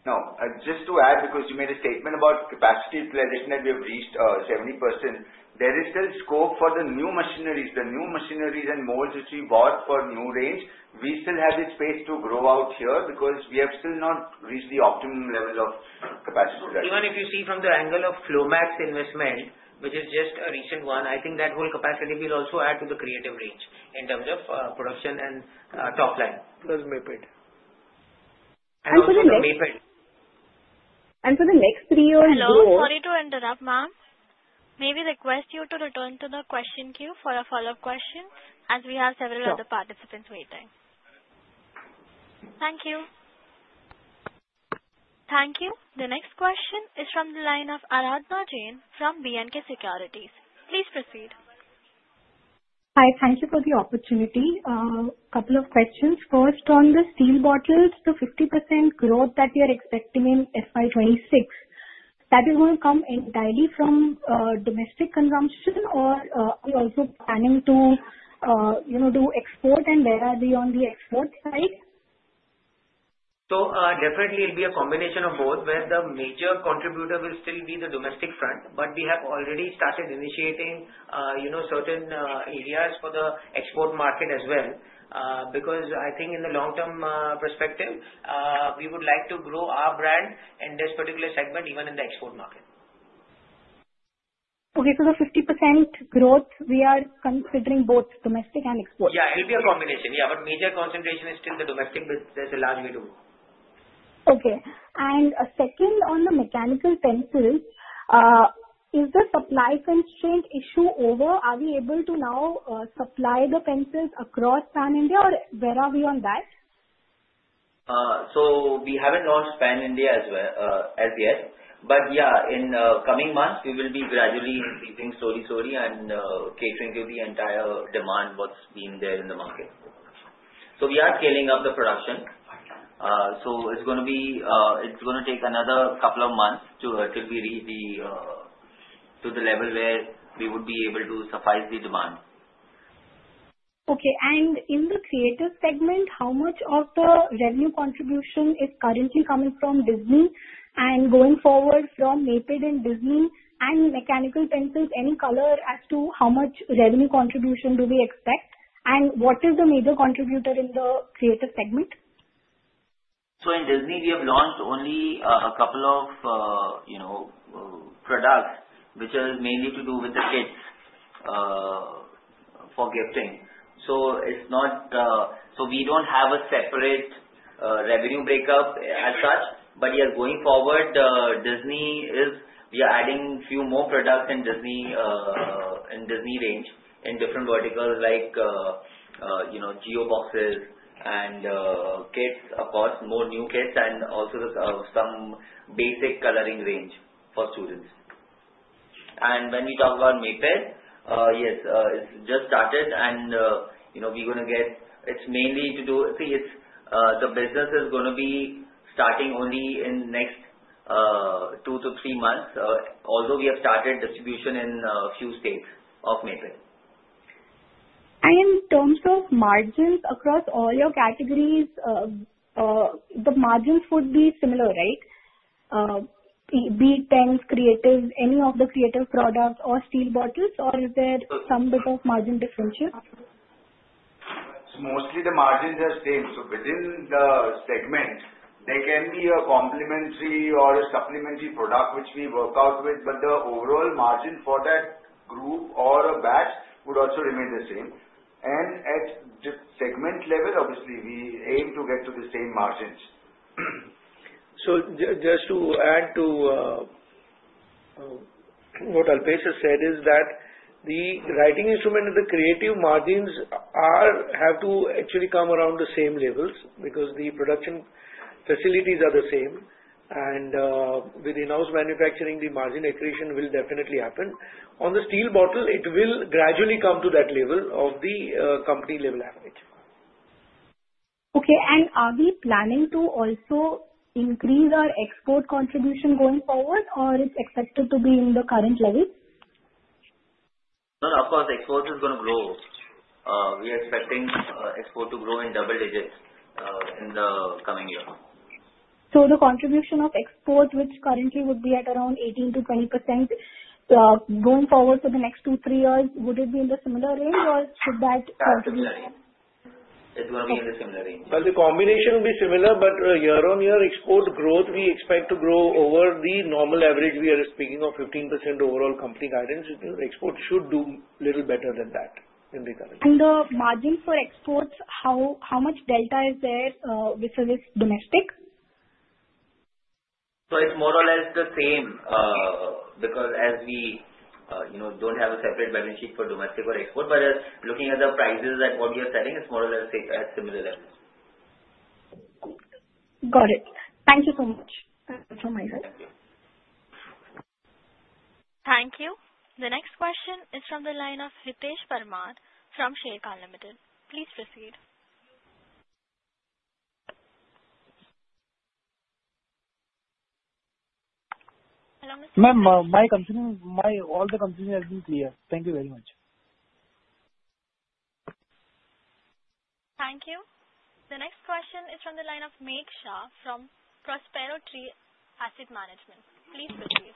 no. Just to add, because you made a statement about capacity utilization that we have reached 70%, there is still scope for the new machineries, the new machineries and molds which we bought for new range. We still have the space to grow out here because we have still not reached the optimum level of capacity that. Even if you see from the angle of Flomax investment, which is just a recent one, I think that whole capacity will also add to the Creative range in terms of production and top line. Plus Maped. And also the Maped. And for the next three years. Hello? Sorry to interrupt, ma'am. May we request you to return to the question queue for a follow-up question as we have several other participants waiting? Thank you. Thank you. The next question is from the line of Aradhana Jain from B&K Securities. Please proceed. Hi. Thank you for the opportunity. A couple of questions. First, on the steel bottles, the 50% growth that we are expecting in FY2026, that is going to come entirely from domestic consumption, or are we also planning to do export, and where are we on the export side? So definitely, it will be a combination of both, where the major contributor will still be the domestic front. But we have already started initiating certain areas for the export market as well because I think in the long-term perspective, we would like to grow our brand in this particular segment, even in the export market. Okay. So the 50% growth, we are considering both domestic and export? Yeah. It will be a combination. Yeah. But major concentration is still the domestic, but there's a long way to go. Okay. And second, on the Mechanical Pencils, is the supply constraint issue over? Are we able to now supply the pencils across Pan India, or where are we on that? So we haven't launched Pan India as yet. But yeah, in coming months, we will be gradually increasing slowly, slowly and catering to the entire demand, what's been there in the market. So we are scaling up the production. So it's going to be, it's going to take another couple of months till we reach the level where we would be able to suffice the demand. Okay. And in the Creative segment, how much of the revenue contribution is currently coming from Disney and going forward from Maped and Disney and mechanical pencils, any color as to how much revenue contribution do we expect? And what is the major contributor in the Creative segment? So in Disney, we have launched only a couple of products, which are mainly to do with the kids for gifting. So it's not, so we don't have a separate revenue breakup as such. But yeah, going forward, Disney is, we are adding a few more products in Disney range in different verticals like Geo boxes and kits, of course, more new kits and also some basic coloring range for students. And when we talk about Maped, yes, it's just started, and we're going to get, it's mainly to do, see, the business is going to be starting only in the next two to three months, although we have started distribution in a few states of Maped. And in terms of margins across all your categories, the margins would be similar, right? Be it Pens, Creatives, any of the Creative products or Steel Bottles, or is there some bit of margin differentiation? Mostly, the margins are same. So within the segment, there can be a complementary or a supplementary product which we work out with, but the overall margin for that group or batch would also remain the same. And at segment level, obviously, we aim to get to the same margins. So just to add to what Alpesh has said is that the writing instrument and the Creative margins have to actually come around the same levels because the production facilities are the same. And with in-house manufacturing, the margin accretion will definitely happen. On the steel bottle, it will gradually come to that level of the company level average. Okay. Are we planning to also increase our export contribution going forward, or it's expected to be in the current level? No, no. Of course, export is going to grow. We are expecting export to grow in double digits in the coming year. So the contribution of export, which currently would be at around 18%-20%, going forward for the next two, three years, would it be in the similar range, or should that continue? Yeah, it's going to be in the similar range. But the combination will be similar, but year on year, export growth we expect to grow over the normal average. We are speaking of 15% overall company guidance. Export should do a little better than that in the current. And the margin for exports, how much delta is there within this domestic? So it's more or less the same because as we don't have a separate balance sheet for domestic or export, but looking at the prices and what we are selling, it's more or less at similar levels. Got it. Thank you so much from my side. Thank you. Thank you. The next question is from the line of Hitesh Parmar from Sharekhan Limited. Please proceed. Ma'am, my concern is all the concerns have been clear. Thank you very much. Thank you. The next question is from the line of Megh Shah from Prospero Tree Asset Management. Please proceed.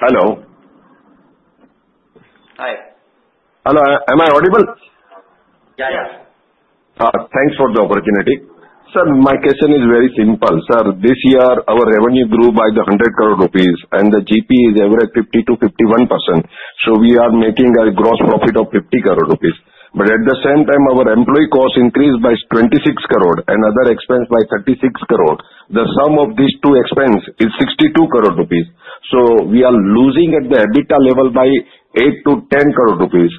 Hello. Hi. Hello. Am I audible? Yeah. Yeah. Thanks for the opportunity. Sir, my question is very simple. Sir, this year, our revenue grew by 100 crore rupees, and the GP is average 50%-51%. So we are making a gross profit of 50 crore rupees. But at the same time, our employee cost increased by INR 26 crore and other expense by 36 crore. The sum of these two expense is 62 crore rupees. So we are losing at the EBITDA level by 8-10 crore rupees.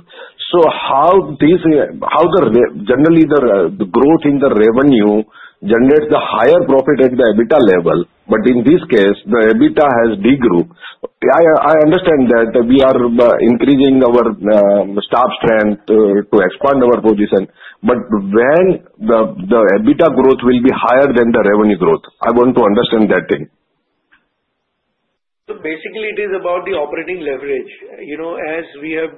So how generally the growth in the revenue generates the higher profit at the EBITDA level, but in this case, the EBITDA has degrowth. I understand that we are increasing our staff strength to expand our position, but when the EBITDA growth will be higher than the revenue growth? I want to understand that thing. So basically, it is about the operating leverage. As we have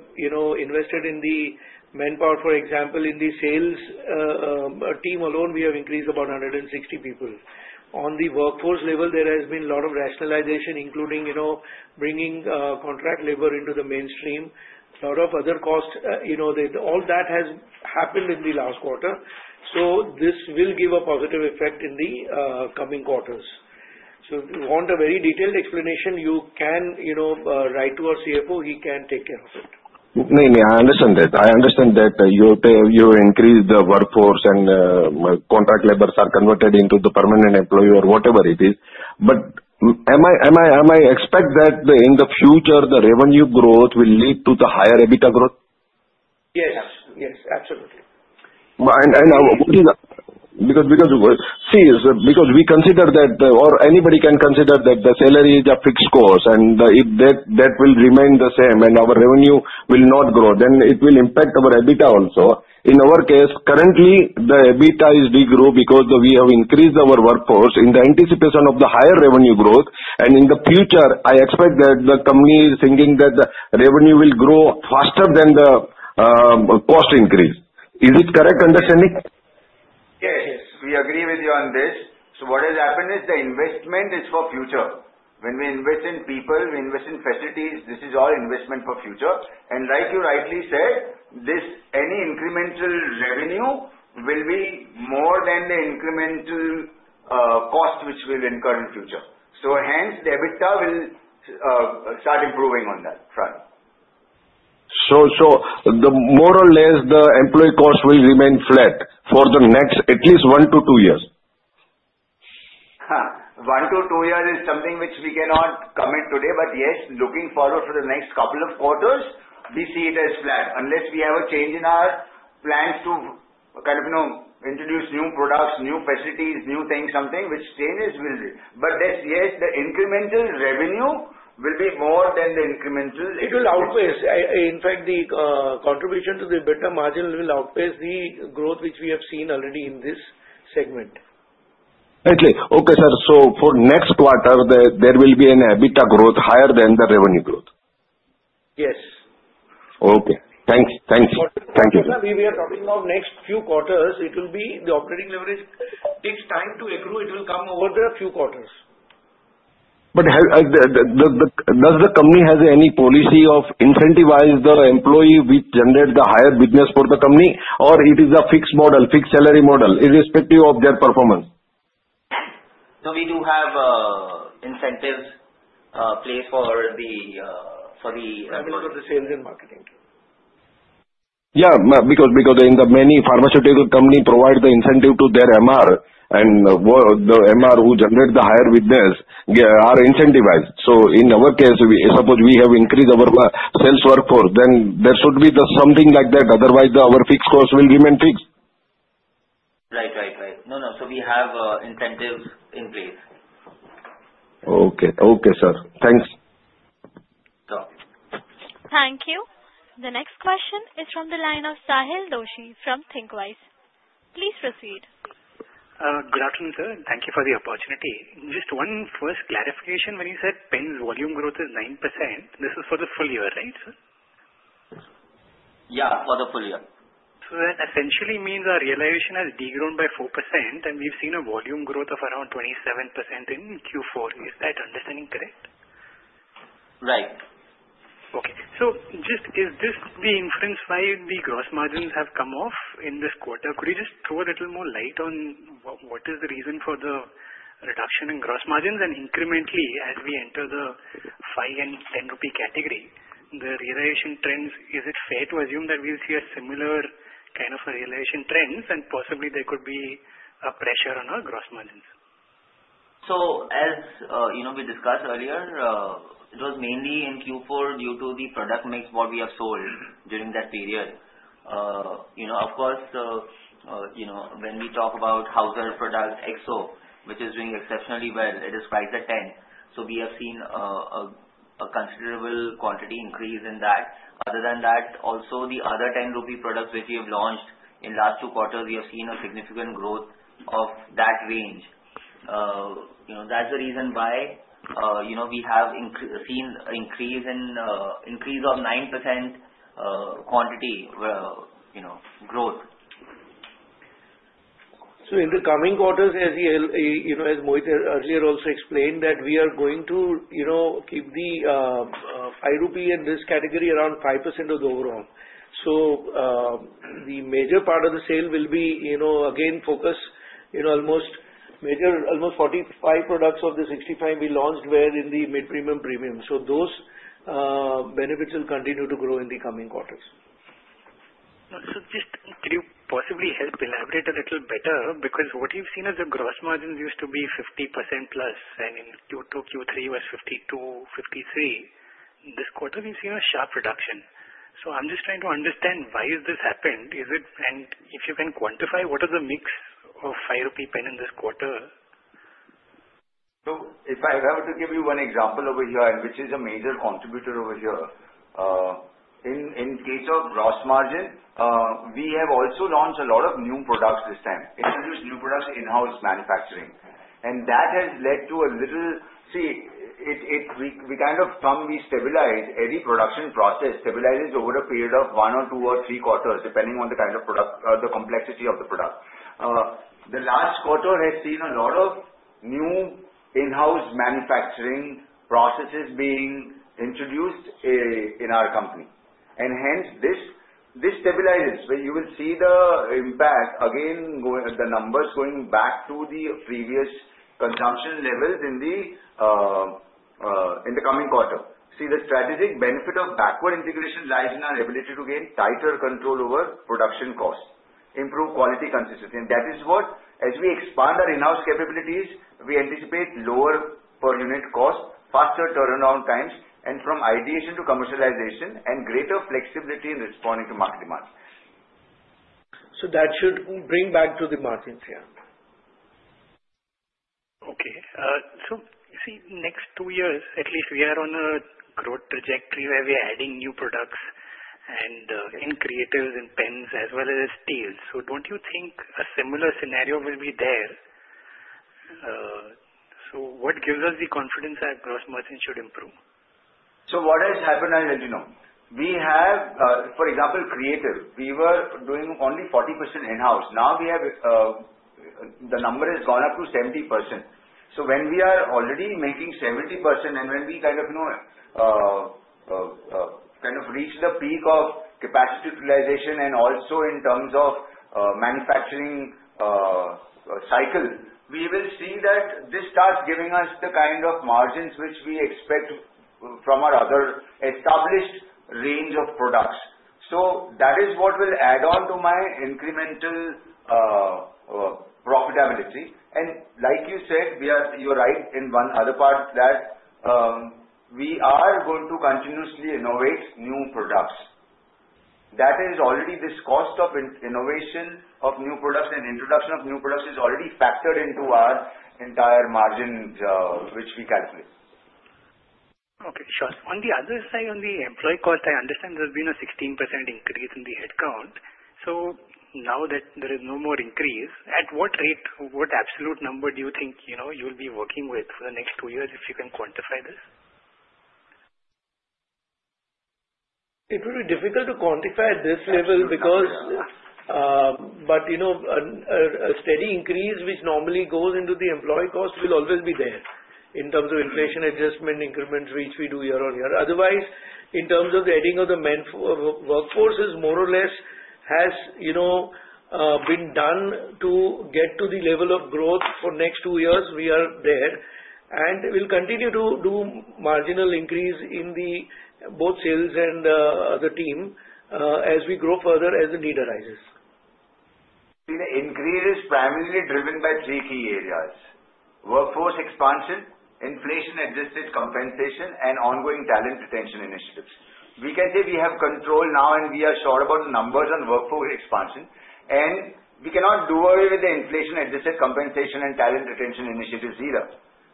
invested in the manpower, for example, in the sales team alone, we have increased about 160 people. On the workforce level, there has been a lot of rationalization, including bringing contract labor into the mainstream. A lot of other costs, all that has happened in the last quarter. So this will give a positive effect in the coming quarters. So if you want a very detailed explanation, you can write to our CFO. He can take care of it. No, no. I understand that. I understand that you increased the workforce and contract labor are converted into the permanent employee or whatever it is. But am I expect that in the future, the revenue growth will lead to the higher EBITDA growth? Yes. Yes. Absolutely. And because we consider that or anybody can consider that the salary is a fixed cost, and if that will remain the same and our revenue will not grow, then it will impact our EBITDA also. In our case, currently, the EBITDA is degrowth because we have increased our workforce in the anticipation of the higher revenue growth. And in the future, I expect that the company is thinking that the revenue will grow faster than the cost increase. Is it correct understanding? Yes. Yes. We agree with you on this. So what has happened is the investment is for future. When we invest in people, we invest in facilities. This is all investment for future. And like you rightly said, any incremental revenue will be more than the incremental cost which will incur in future. So hence, the EBITDA will start improving on that front. So more or less, the employee cost will remain flat for the next at least one to two years? One to two years is something which we cannot commit today, but yes, looking forward for the next couple of quarters, we see it as flat unless we have a change in our plans to kind of introduce new products, new facilities, new things, something which changes will be. But yes, the incremental revenue will be more than the incremental. It will outpace. In fact, the contribution to the EBITDA margin will outpace the growth which we have seen already in this segment. Right. Okay. Sir, so for next quarter, there will be an EBITDA growth higher than the revenue growth? Yes. Okay. Thank you. Thank you. Thank you. We are talking about next few quarters. It will be the operating leverage takes time to accrue. It will come over the few quarters. But does the company have any policy of incentivizing the employee which generates the higher business for the company, or it is a fixed model, fixed salary model irrespective of their performance? No, we do have incentives placed for the employee. Incentives for the sales and marketing. Yeah. Because in the many pharmaceutical companies provide the incentive to their MR, and the MR who generates the higher business are incentivized. So in our case, suppose we have increased our sales workforce, then there should be something like that. Otherwise, our fixed cost will remain fixed. Right. Right. Right. No, no. So we have incentives in place. Okay. Okay, sir. Thanks. Thank you. The next question is from the line of Sahil Doshi from Thinqwise Wealth. Please proceed. Good afternoon, sir. Thank you for the opportunity. Just one first clarification. When you said pens volume growth is 9%, this is for the full year, right, sir? Yeah. For the full year. So that essentially means our realization has degrown by 4%, and we've seen a volume growth of around 27% in Q4. Is that understanding correct? Right. Okay. So just is this the inference why the gross margins have come off in this quarter? Could you just throw a little more light on what is the reason for the reduction in gross margins? And incrementally, as we enter the 5 and 10 rupee category, the realization trends, is it fair to assume that we'll see a similar kind of realization trends, and possibly there could be a pressure on our gross margins? So as we discussed earlier, it was mainly in Q4 due to the product mix what we have sold during that period. Of course, when we talk about Hauser XO, which is doing exceptionally well, it is priced at INR 10. So we have seen a considerable quantity increase in that. Other than that, also the other 10 rupee products which we have launched in the last two quarters, we have seen a significant growth of that range. That's the reason why we have seen an increase of 9% quantity growth. So in the coming quarters, as Mohit earlier also explained, that we are going to keep the 5 rupee and this category around 5% of the overall. So the major part of the sale will be again focused almost 45 products of the 65 we launched were in the mid-premium premium. So those benefits will continue to grow in the coming quarters. So just could you possibly help elaborate a little better? Because what you've seen as the gross margins used to be 50% plus, and in Q2, Q3 was 52%, 53%. This quarter, we've seen a sharp reduction. So I'm just trying to understand why has this happened, and if you can quantify what is the mix of 5 rupee pen in this quarter? So if I have to give you one example over here, which is a major contributor over here, in case of gross margin, we have also launched a lot of new products this time. Introduce new products in-house manufacturing. And that has led to a little, see, we kind of stabilize every production process, stabilizes over a period of one or two or three quarters, depending on the kind of product or the complexity of the product. The last quarter has seen a lot of new in-house manufacturing processes being introduced in our company. And hence, this stabilizes. You will see the impact, again, the numbers going back to the previous consumption levels in the coming quarter. See, the strategic benefit of backward integration lies in our ability to gain tighter control over production cost, improve quality consistency. And that is what, as we expand our in-house capabilities, we anticipate lower per unit cost, faster turnaround times, and from ideation to commercialization, and greater flexibility in responding to market demands. So that should bring back to the margins here. Okay. So see, next two years, at least we are on a growth trajectory where we are adding new products and Creatives and Pens as well as Steels. So don't you think a similar scenario will be there? So what gives us the confidence our gross margin should improve? So what has happened, I'll let you know. We have, for example, Creative. We were doing only 40% in-house. Now the number has gone up to 70%. So when we are already making 70% and when we kind of reach the peak of capacity utilization and also in terms of manufacturing cycle, we will see that this starts giving us the kind of margins which we expect from our other established range of products. So that is what will add on to my incremental profitability. And like you said, you're right in one other part that we are going to continuously innovate new products. That is already this cost of innovation of new products and introduction of new products is already factored into our entire margin which we calculate. Okay. Sure. On the other side, on the employee cost, I understand there has been a 16% increase in the headcount. So now that there is no more increase, at what rate, what absolute number do you think you'll be working with for the next two years if you can quantify this? It will be difficult to quantify at this level because but a steady increase which normally goes into the employee cost will always be there in terms of inflation adjustment increments which we do year on year. Otherwise, in terms of the adding of the workforces, more or less has been done to get to the level of growth for next two years, we are there. And we'll continue to do marginal increase in both sales and the team as we grow further as the need arises. The increase is primarily driven by three key areas: workforce expansion, inflation-adjusted compensation, and ongoing talent retention initiatives. We can say we have control now, and we are sure about the numbers on workforce expansion. And we cannot do away with the inflation-adjusted compensation and talent retention initiatives either.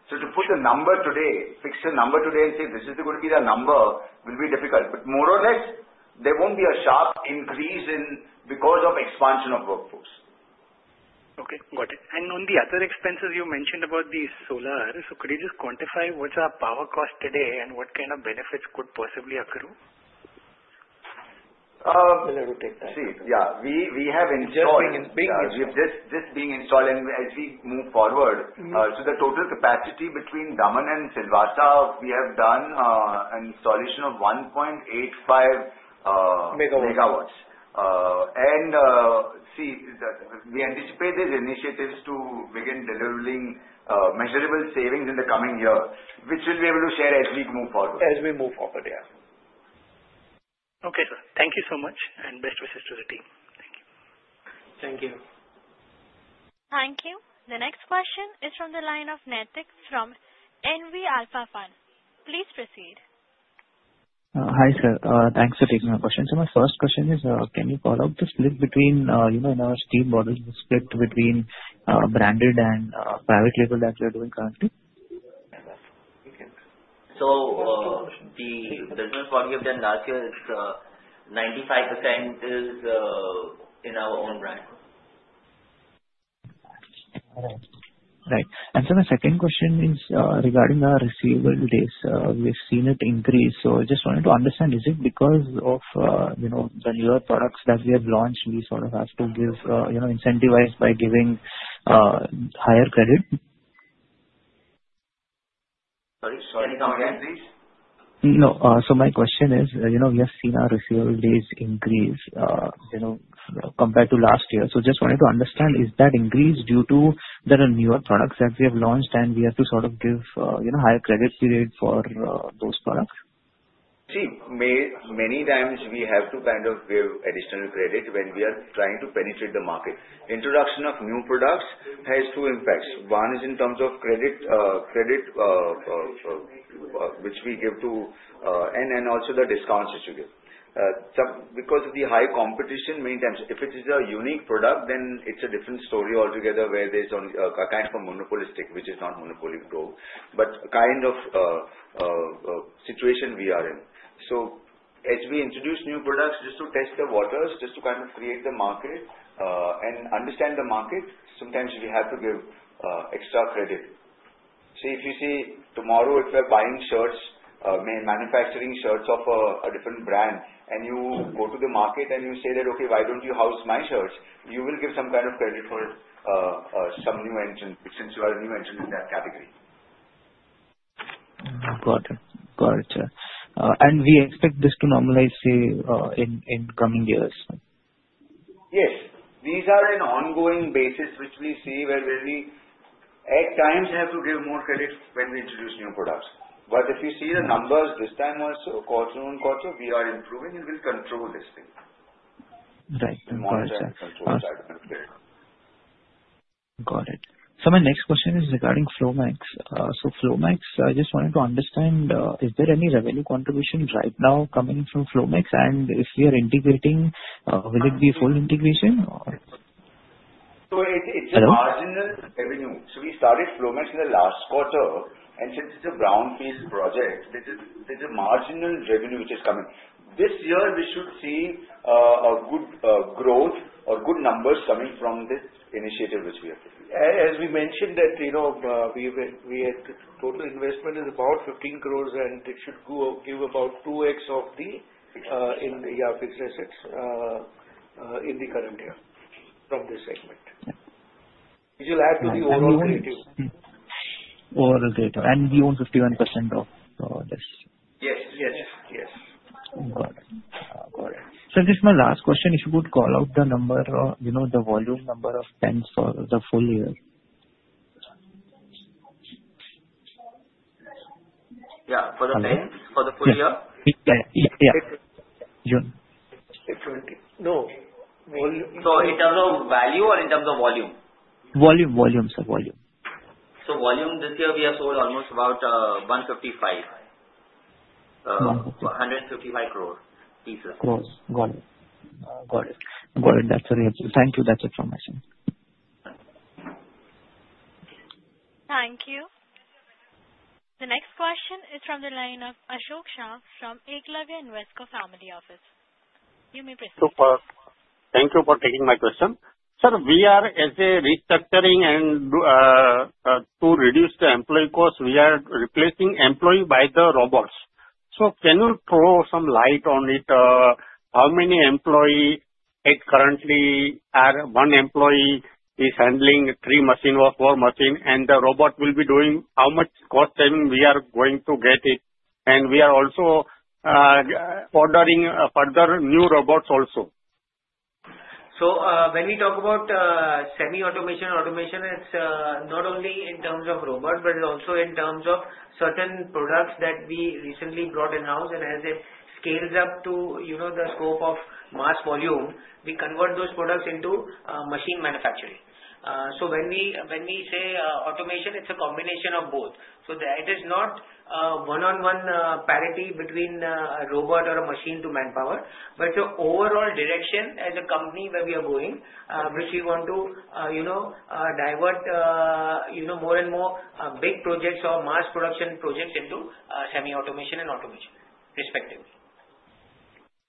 So to put a number today, fix a number today and say, "This is going to be the number," will be difficult. But more or less, there won't be a sharp increase because of expansion of workforce. Okay. Got it. And on the other expenses you mentioned about the solar, so could you just quantify what's our power cost today and what kind of benefits could possibly accrue? Let me take that. See, yeah. We have installed this being installed and as we move forward, so the total capacity between Daman and Silvassa, we have done an installation of 1.85 megawatts. And see, we anticipate these initiatives to begin delivering measurable savings in the coming year, which we'll be able to share as we move forward. As we move forward, yeah. Okay, sir. Thank you so much. And best wishes to the team. Thank you. Thank you. Thank you. The next question is from the line of Naitik from NV Alpha Fund. Please proceed. Hi, sir. Thanks for taking my question. So my first question is, can you call out the split between in our Steel Bottles, the split between branded and private label that we are doing currently? So the business value of then last year is 95% is in our own brand. Right. And so my second question is regarding our receivables. We've seen it increase. So I just wanted to understand, is it because of the newer products that we have launched, we sort of have to give incentivize by giving higher credit? Sorry. Can you come again, please? No. So my question is, we have seen our receivables increase compared to last year. So just wanted to understand, is that increase due to the newer products that we have launched, and we have to sort of give higher credit period for those products? See, many times we have to kind of give additional credit when we are trying to penetrate the market. Introduction of new products has two impacts. One is in terms of credit which we give to, and also the discounts that you give. Because of the high competition, many times if it is a unique product, then it's a different story altogether where there's a kind of a monopolistic which is not monopoly growth, but kind of situation we are in. So as we introduce new products just to test the waters, just to kind of create the market and understand the market, sometimes we have to give extra credit. So if you see tomorrow, if we're buying shirts, manufacturing shirts of a different brand, and you go to the market and you say that, "Okay, why don't you house my shirts?" you will give some kind of credit for some new entrant since you are a new entrant in that category. Got it. Got it, sir. And we expect this to normalize in coming years? Yes. These are on an ongoing basis which we see where we at times have to give more credit when we introduce new products. But if you see the numbers this time also, quarter on quarter, we are improving and we'll control this thing. Right. Got it, sir. Got it. So my next question is regarding Flomax. So Flomax, I just wanted to understand, is there any revenue contribution right now coming from Flomax? And if we are integrating, will it be full integration or? So it's a marginal revenue. So we started Flomax in the last quarter, and since it's a brownfield project, there's a marginal revenue which is coming. This year, we should see a good growth or good numbers coming from this initiative which we have taken. As we mentioned that we had total investment is about 15 crores, and it should give about 2x of the fixed assets in the current year from this segment. It will add to the overall Creative. And you own 51% of this? Yes. Got it. So just my last question, if you could call out the number, the volume number of pens for the full year. Yeah. For the pens? For the full year? Yeah. June. No. So in terms of value or in terms of volume? Volume, sir. So volume this year, we have sold almost about 155 crore pieces. Got it. That's very helpful. Thank you. That's it from my side. Thank you. The next question is from the line of Ashok Shah from Eagle Avenue and Westcott Family Office. You may proceed. Thank you for taking my question. Sir, as part of restructuring and to reduce the employee cost, we are replacing employees by the robots. So can you throw some light on it? How many employees currently are one employee is handling three machines or four machines, and the robot will be doing how much cost savings we are going to get from it? And we are also ordering further new robots also. So when we talk about semi-automation, automation, it's not only in terms of robots, but also in terms of certain products that we recently brought in-house. And as it scales up to the scope of mass volume, we convert those products into machine manufacturing. So when we say automation, it's a combination of both. That is not a one-on-one parity between a robot or a machine to manpower, but the overall direction as a company where we are going, which we want to divert more and more big projects or mass production projects into semi-automation and automation respectively. So what's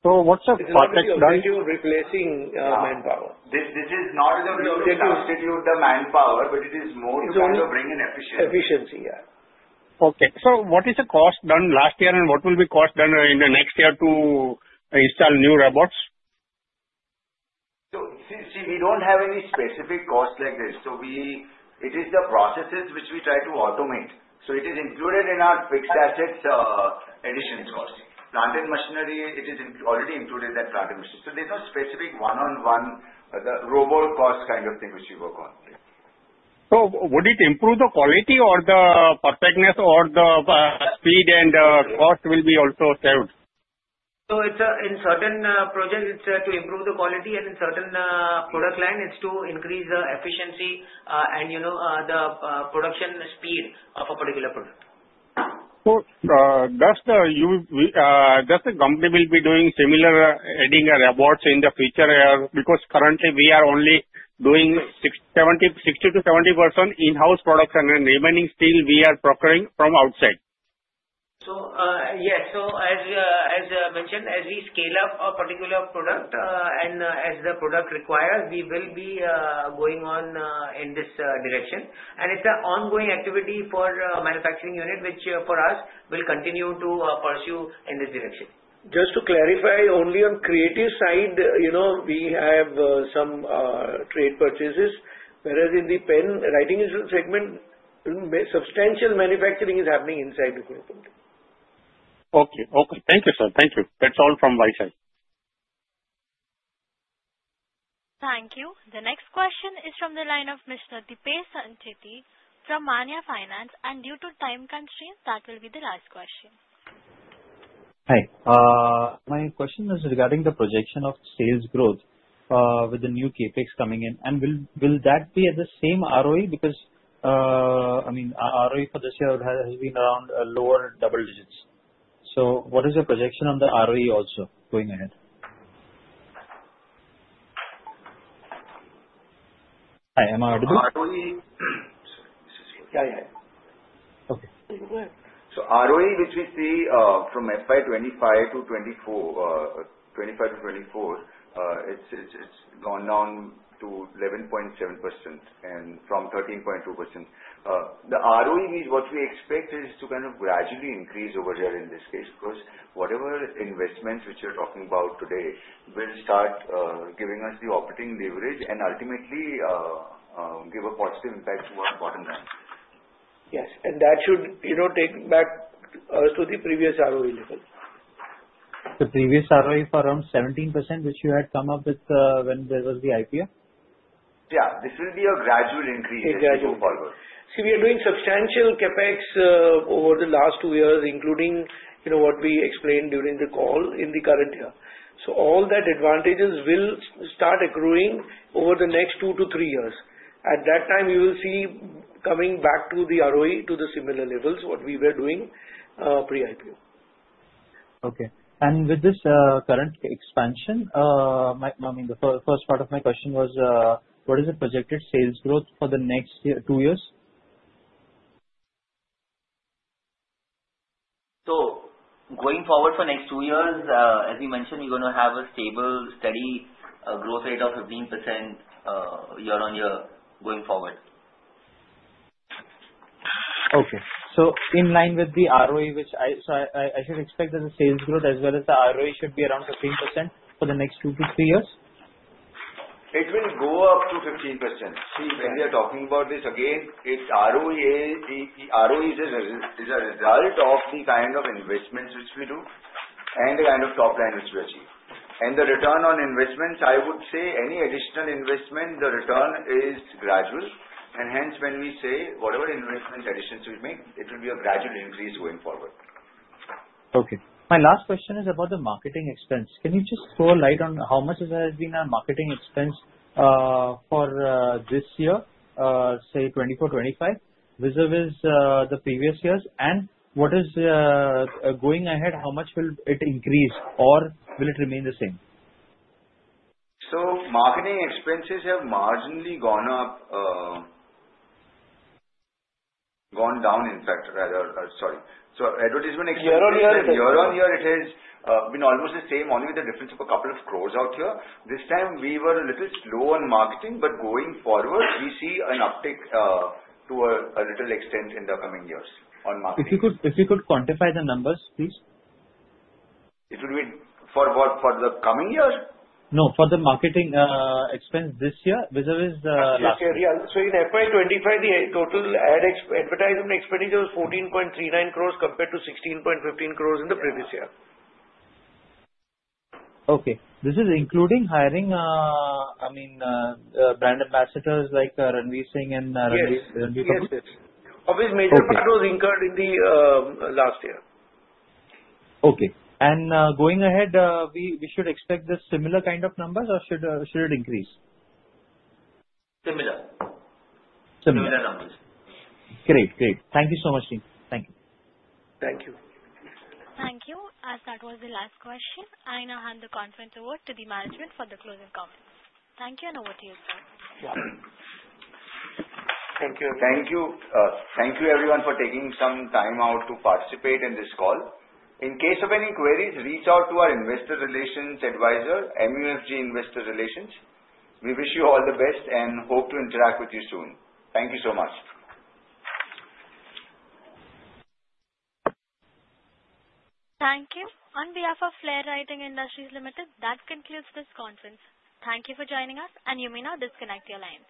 the purpose? This is not to replacing manpower. This is not to substitute the manpower, but it is more to kind of bring in efficiency. Efficiency, yeah. Okay. So what is the cost last year and what will be cost in the next year to install new robots? So see, we don't have any specific cost like this. So it is the processes which we try to automate. So it is included in our fixed assets addition cost. Plant and machinery, it is already included in plant and machinery. So there's no specific one-on-one robot cost kind of thing which we work on. So would it improve the quality or the perfectness or the speed and cost will be also saved? So in certain projects, it's to improve the quality, and in certain product line, it's to increase the efficiency and the production speed of a particular product. So that's the company will be doing similar adding robots in the future because currently we are only doing 60%-70% in-house production, and remaining still we are procuring from outside. So yes. So as mentioned, as we scale up a particular product and as the product requires, we will be going on in this direction. And it's an ongoing activity for manufacturing unit, which for us will continue to pursue in this direction. Just to clarify, only on Creative side, we have some trade purchases, whereas in the pen writing segment, substantial manufacturing is happening inside the company. Okay. Okay. Thank you, sir. Thank you. That's all from my side. Thank you. The next question is from the line of Mr. Deepesh Sancheti from Manya Finance. And due to time constraints, that will be the last question. Hi. My question is regarding the projection of sales growth with the new CapEx coming in. And will that be at the same ROE? Because I mean, ROE for this year has been around lower double digits. So what is your projection on the ROE also going ahead? Hi. Am I audible? ROE? Yeah. Yeah. Okay. So ROE, which we see from FY25 to FY24, it's gone down to 11.7% and from 13.2%. The ROE means what we expect is to kind of gradually increase over here in this case because whatever investments which you're talking about today will start giving us the operating leverage and ultimately give a positive impact to our bottom line. Yes. And that should take back us to the previous ROE level. The previous ROE for around 17% which you had come up with when there was the IPO? Yeah. This will be a gradual increase as we go forward. See, we are doing substantial CapEx over the last two years, including what we explained during the call in the current year. So all that advantages will start accruing over the next two to three years. At that time, you will see coming back to the ROE to the similar levels what we were doing pre-IPO. Okay. With this current expansion, I mean, the first part of my question was, what is the projected sales growth for the next two years? So going forward for next two years, as we mentioned, we're going to have a stable, steady growth rate of 15% year on year going forward. Okay. So in line with the ROE, which I should expect that the sales growth as well as the ROE should be around 15% for the next two to three years? It will go up to 15%. See, when we are talking about this again, ROE is a result of the kind of investments which we do and the kind of top line which we achieve. And the return on investments, I would say any additional investment, the return is gradual. And hence, when we say whatever investment additions we make, it will be a gradual increase going forward. Okay. My last question is about the marketing expense. Can you just throw a light on how much has been our marketing expense for this year, say 2024, 2025, vis-à-vis the previous years? And what is going ahead, how much will it increase or will it remain the same? So marketing expenses have marginally gone up, gone down, in fact, rather. Sorry. So advertisement expenses, year on year, it has been almost the same, only with the difference of a couple of crores out here. This time, we were a little slow on marketing, but going forward, we see an uptick to a little extent in the coming years on marketing. If you could quantify the numbers, please. It would be for what? For the coming year? No, for the marketing expense this year vis-à-vis last year. This year, yeah. So in FY2025, the total advertisement expenditure was 14.39 crores compared to 16.15 crores in the previous year. Okay. This is including hiring, I mean, brand ambassadors like Ranveer Singh and Ranveer from SIF? Yes. Yes. Obviously, major number was incurred in the last year. Okay. And going ahead, we should expect the similar kind of numbers or should it increase? Similar. Similar. Similar numbers. Great. Great. Thank you so much, team. Thank you. Thank you. Thank you. As that was the last question, I now hand the conference over to the management for the closing comments. Thank you and over to you, sir. Thank you. Thank you. Thank you, everyone, for taking some time out to participate in this call. In case of any queries, reach out to our investor relations advisor, MUFG Investor Relations. We wish you all the best and hope to interact with you soon. Thank you so much. Thank you. On behalf of Flair Writing Industries Limited, that concludes this conference. Thank you for joining us, and you may now disconnect the line.